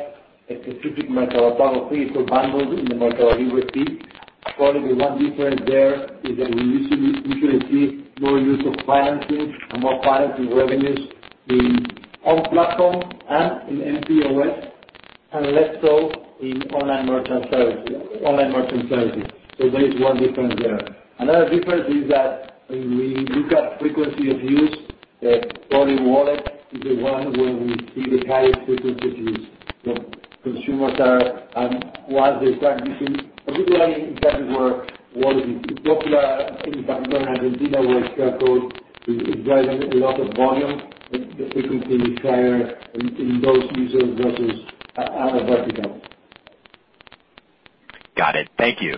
Speaker 7: a specific Mercado Pago fee. It's bundled in the MercadoLibre fee. Probably the one difference there is that we usually see more use of financing and more financing revenues in on-platform and in mPOS, and less so in online merchant services. There is one difference there. Another difference is that when we look at frequency of use, volume wallet is the one where we see the highest frequency use. Consumers are, and while they start using, particularly in countries where wallet is popular, in Argentina, where QR code drives a lot of volume, the frequency is higher in those users versus other verticals.
Speaker 14: Got it. Thank you.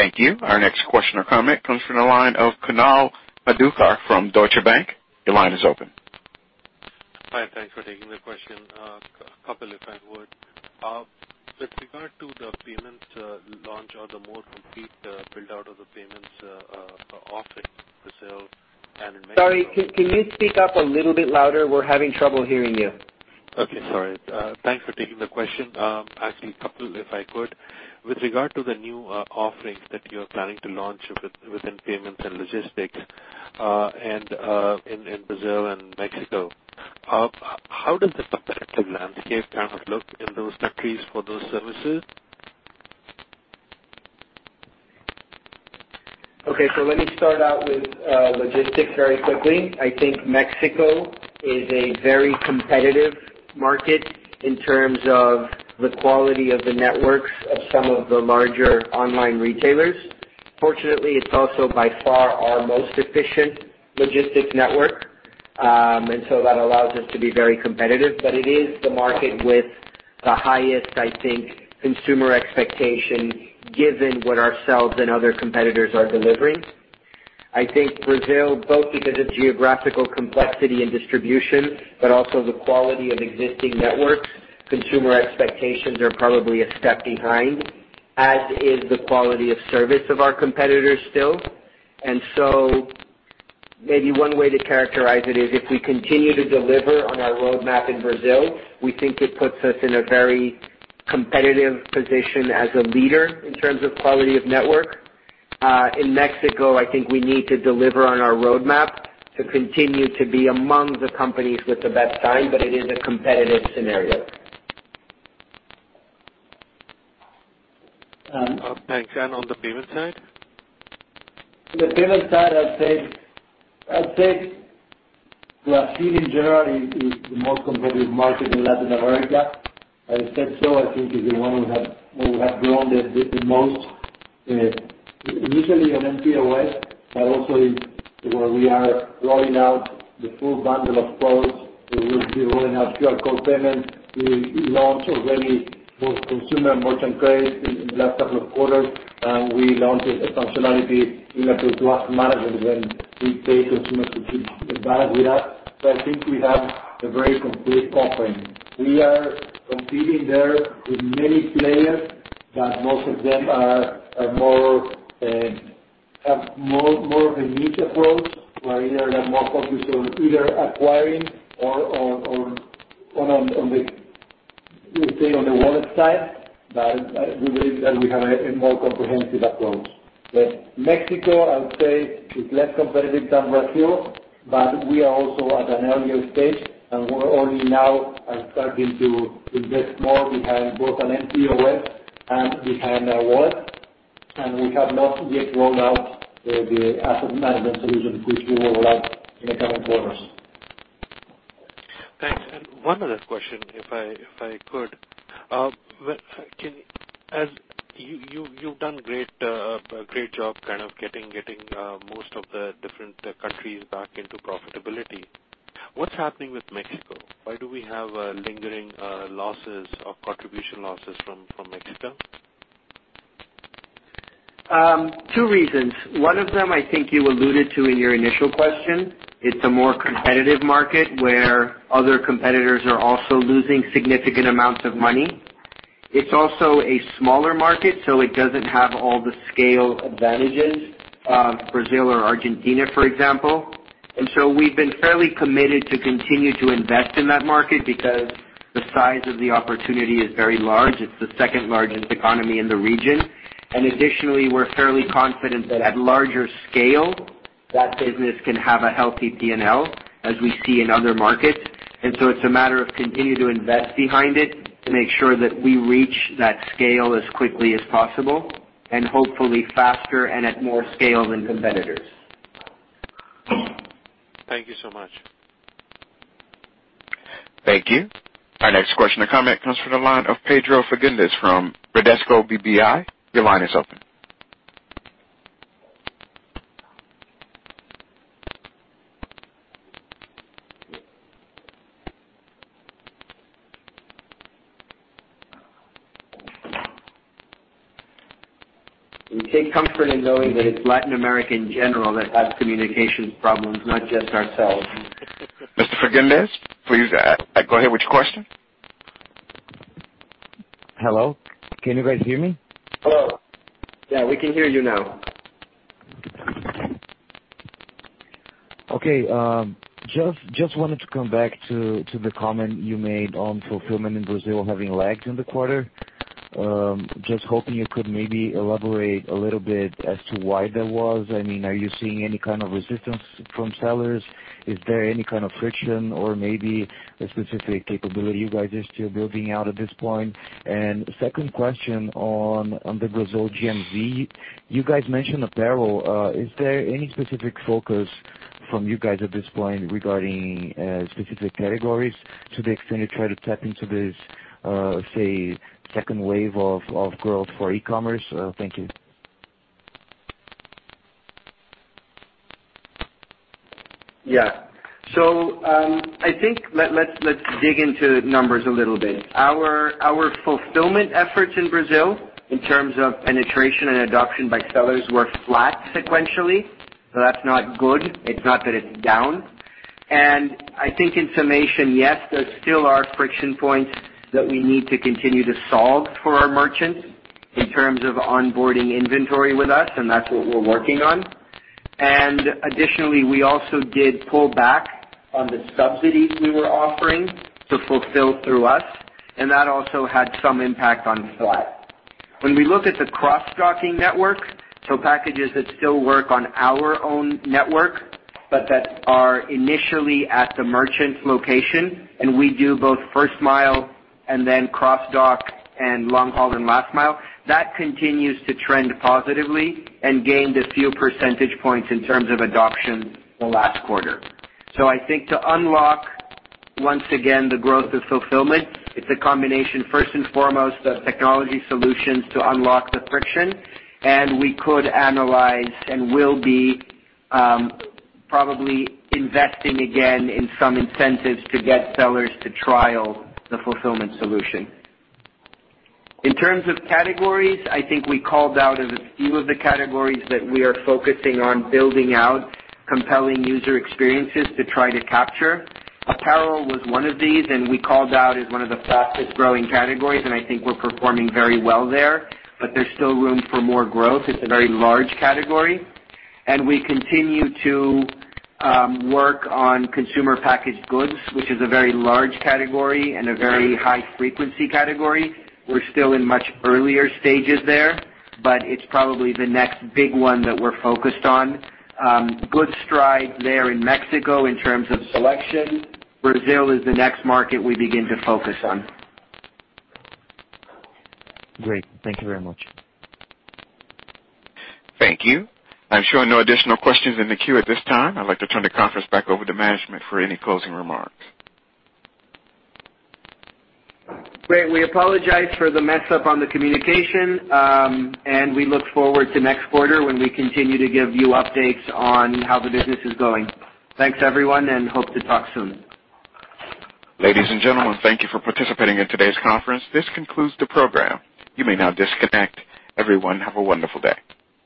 Speaker 1: Thank you. Our next question or comment comes from the line of Kunal Madhukar from Deutsche Bank. Your line is open.
Speaker 15: Hi, thanks for taking the question. Couple, if I would. With regard to the payments launch or the more complete build-out of the payments offering, Brazil and Mexico-
Speaker 3: Sorry, can you speak up a little bit louder? We're having trouble hearing you.
Speaker 15: Okay, sorry. Thanks for taking the question. Actually, a couple if I could. With regard to the new offerings that you're planning to launch within payments and logistics, in Brazil and Mexico, how does the competitive landscape kind of look in those countries for those services?
Speaker 3: Let me start out with logistics very quickly. I think Mexico is a very competitive market in terms of the quality of the networks of some of the larger online retailers. Fortunately, it's also by far our most efficient logistics network. That allows us to be very competitive. It is the market with the highest, I think, consumer expectation, given what ourselves and other competitors are delivering. I think Brazil, both because of geographical complexity and distribution, but also the quality of existing networks, consumer expectations are probably a step behind, as is the quality of service of our competitors still. Maybe one way to characterize it is if we continue to deliver on our roadmap in Brazil, we think it puts us in a very competitive position as a leader in terms of quality of network. In Mexico, I think we need to deliver on our roadmap to continue to be among the companies with the best time, but it is a competitive scenario.
Speaker 15: Thanks. On the payment side?
Speaker 7: On the payment side, I'd say Brazil in general is the most competitive market in Latin America. I think is the one we have grown the most, initially on mPOS, but also where we are rolling out the full bundle of products. We will be rolling out QR code payments. We launched already both consumer and merchant credit in the last couple of quarters, and we launched a functionality in April to asset management when we pay consumers to keep a balance with us. I think we have a very complete offering. We are competing there with many players, but most of them have more of a niche approach, where they are more focused on either acquiring or, let me say, on the wallet side. We believe that we have a more comprehensive approach. Mexico, I would say, is less competitive than Brazil, but we are also at an earlier stage, and we're only now are starting to invest more behind both an mPOS and behind our wallet. We have not yet rolled out the asset management solution, which we will roll out in the coming quarters.
Speaker 15: One other question, if I could. You've done a great job kind of getting most of the different countries back into profitability. What's happening with Mexico? Why do we have lingering losses or contribution losses from Mexico?
Speaker 3: Two reasons. One of them I think you alluded to in your initial question. It's a more competitive market where other competitors are also losing significant amounts of money. It's also a smaller market, so it doesn't have all the scale advantages of Brazil or Argentina, for example. We've been fairly committed to continue to invest in that market because the size of the opportunity is very large. It's the second-largest economy in the region. Additionally, we're fairly confident that at larger scale, that business can have a healthy P&L, as we see in other markets. It's a matter of continue to invest behind it to make sure that we reach that scale as quickly as possible, and hopefully faster and at more scale than competitors.
Speaker 15: Thank you so much.
Speaker 1: Thank you. Our next question or comment comes from the line of Pedro Fagundes from Bradesco BBI. Your line is open.
Speaker 3: We take comfort in knowing that it's Latin America in general that has communications problems, not just ourselves.
Speaker 1: Mr. Fagundes, please go ahead with your question.
Speaker 16: Hello, can you guys hear me?
Speaker 3: Hello. Yeah, we can hear you now.
Speaker 16: Okay. Just wanted to come back to the comment you made on fulfillment in Brazil having lagged in the quarter. Just hoping you could maybe elaborate a little bit as to why that was. Are you seeing any kind of resistance from sellers? Is there any kind of friction or maybe a specific capability you guys are still building out at this point? Second question on the Brazil GMV. You guys mentioned apparel. Is there any specific focus from you guys at this point regarding specific categories to the extent you try to tap into this, say, second wave of growth for e-commerce? Thank you.
Speaker 3: Yeah. I think, let's dig into numbers a little bit. Our fulfillment efforts in Brazil in terms of penetration and adoption by sellers were flat sequentially. That's not good. It's not that it's down. I think in summation, yes, there still are friction points that we need to continue to solve for our merchants in terms of onboarding inventory with us, and that's what we're working on. Additionally, we also did pull back on the subsidies we were offering to fulfill through us, and that also had some impact on flat. When we look at the cross-docking network, so packages that still work on our own network, but that are initially at the merchant's location, and we do both first mile and then cross-dock and long-haul and last mile, that continues to trend positively and gained a few percentage points in terms of adoption the last quarter. I think to unlock, once again, the growth of fulfillment, it's a combination, first and foremost, of technology solutions to unlock the friction, and we could analyze and will be probably investing again in some incentives to get sellers to trial the fulfillment solution. In terms of categories, I think we called out a few of the categories that we are focusing on building out compelling user experiences to try to capture. Apparel was one of these, and we called out as one of the fastest-growing categories, and I think we're performing very well there, but there's still room for more growth. It's a very large category. We continue to work on consumer packaged goods, which is a very large category and a very high-frequency category. We're still in much earlier stages there, but it's probably the next big one that we're focused on. Good stride there in Mexico in terms of selection. Brazil is the next market we begin to focus on.
Speaker 16: Great. Thank you very much.
Speaker 1: Thank you. I'm showing no additional questions in the queue at this time. I'd like to turn the conference back over to management for any closing remarks.
Speaker 3: Great. We apologize for the mess up on the communication. We look forward to next quarter when we continue to give you updates on how the business is going. Thanks, everyone, and hope to talk soon.
Speaker 1: Ladies and gentlemen, thank you for participating in today's conference. This concludes the program. You may now disconnect. Everyone, have a wonderful day.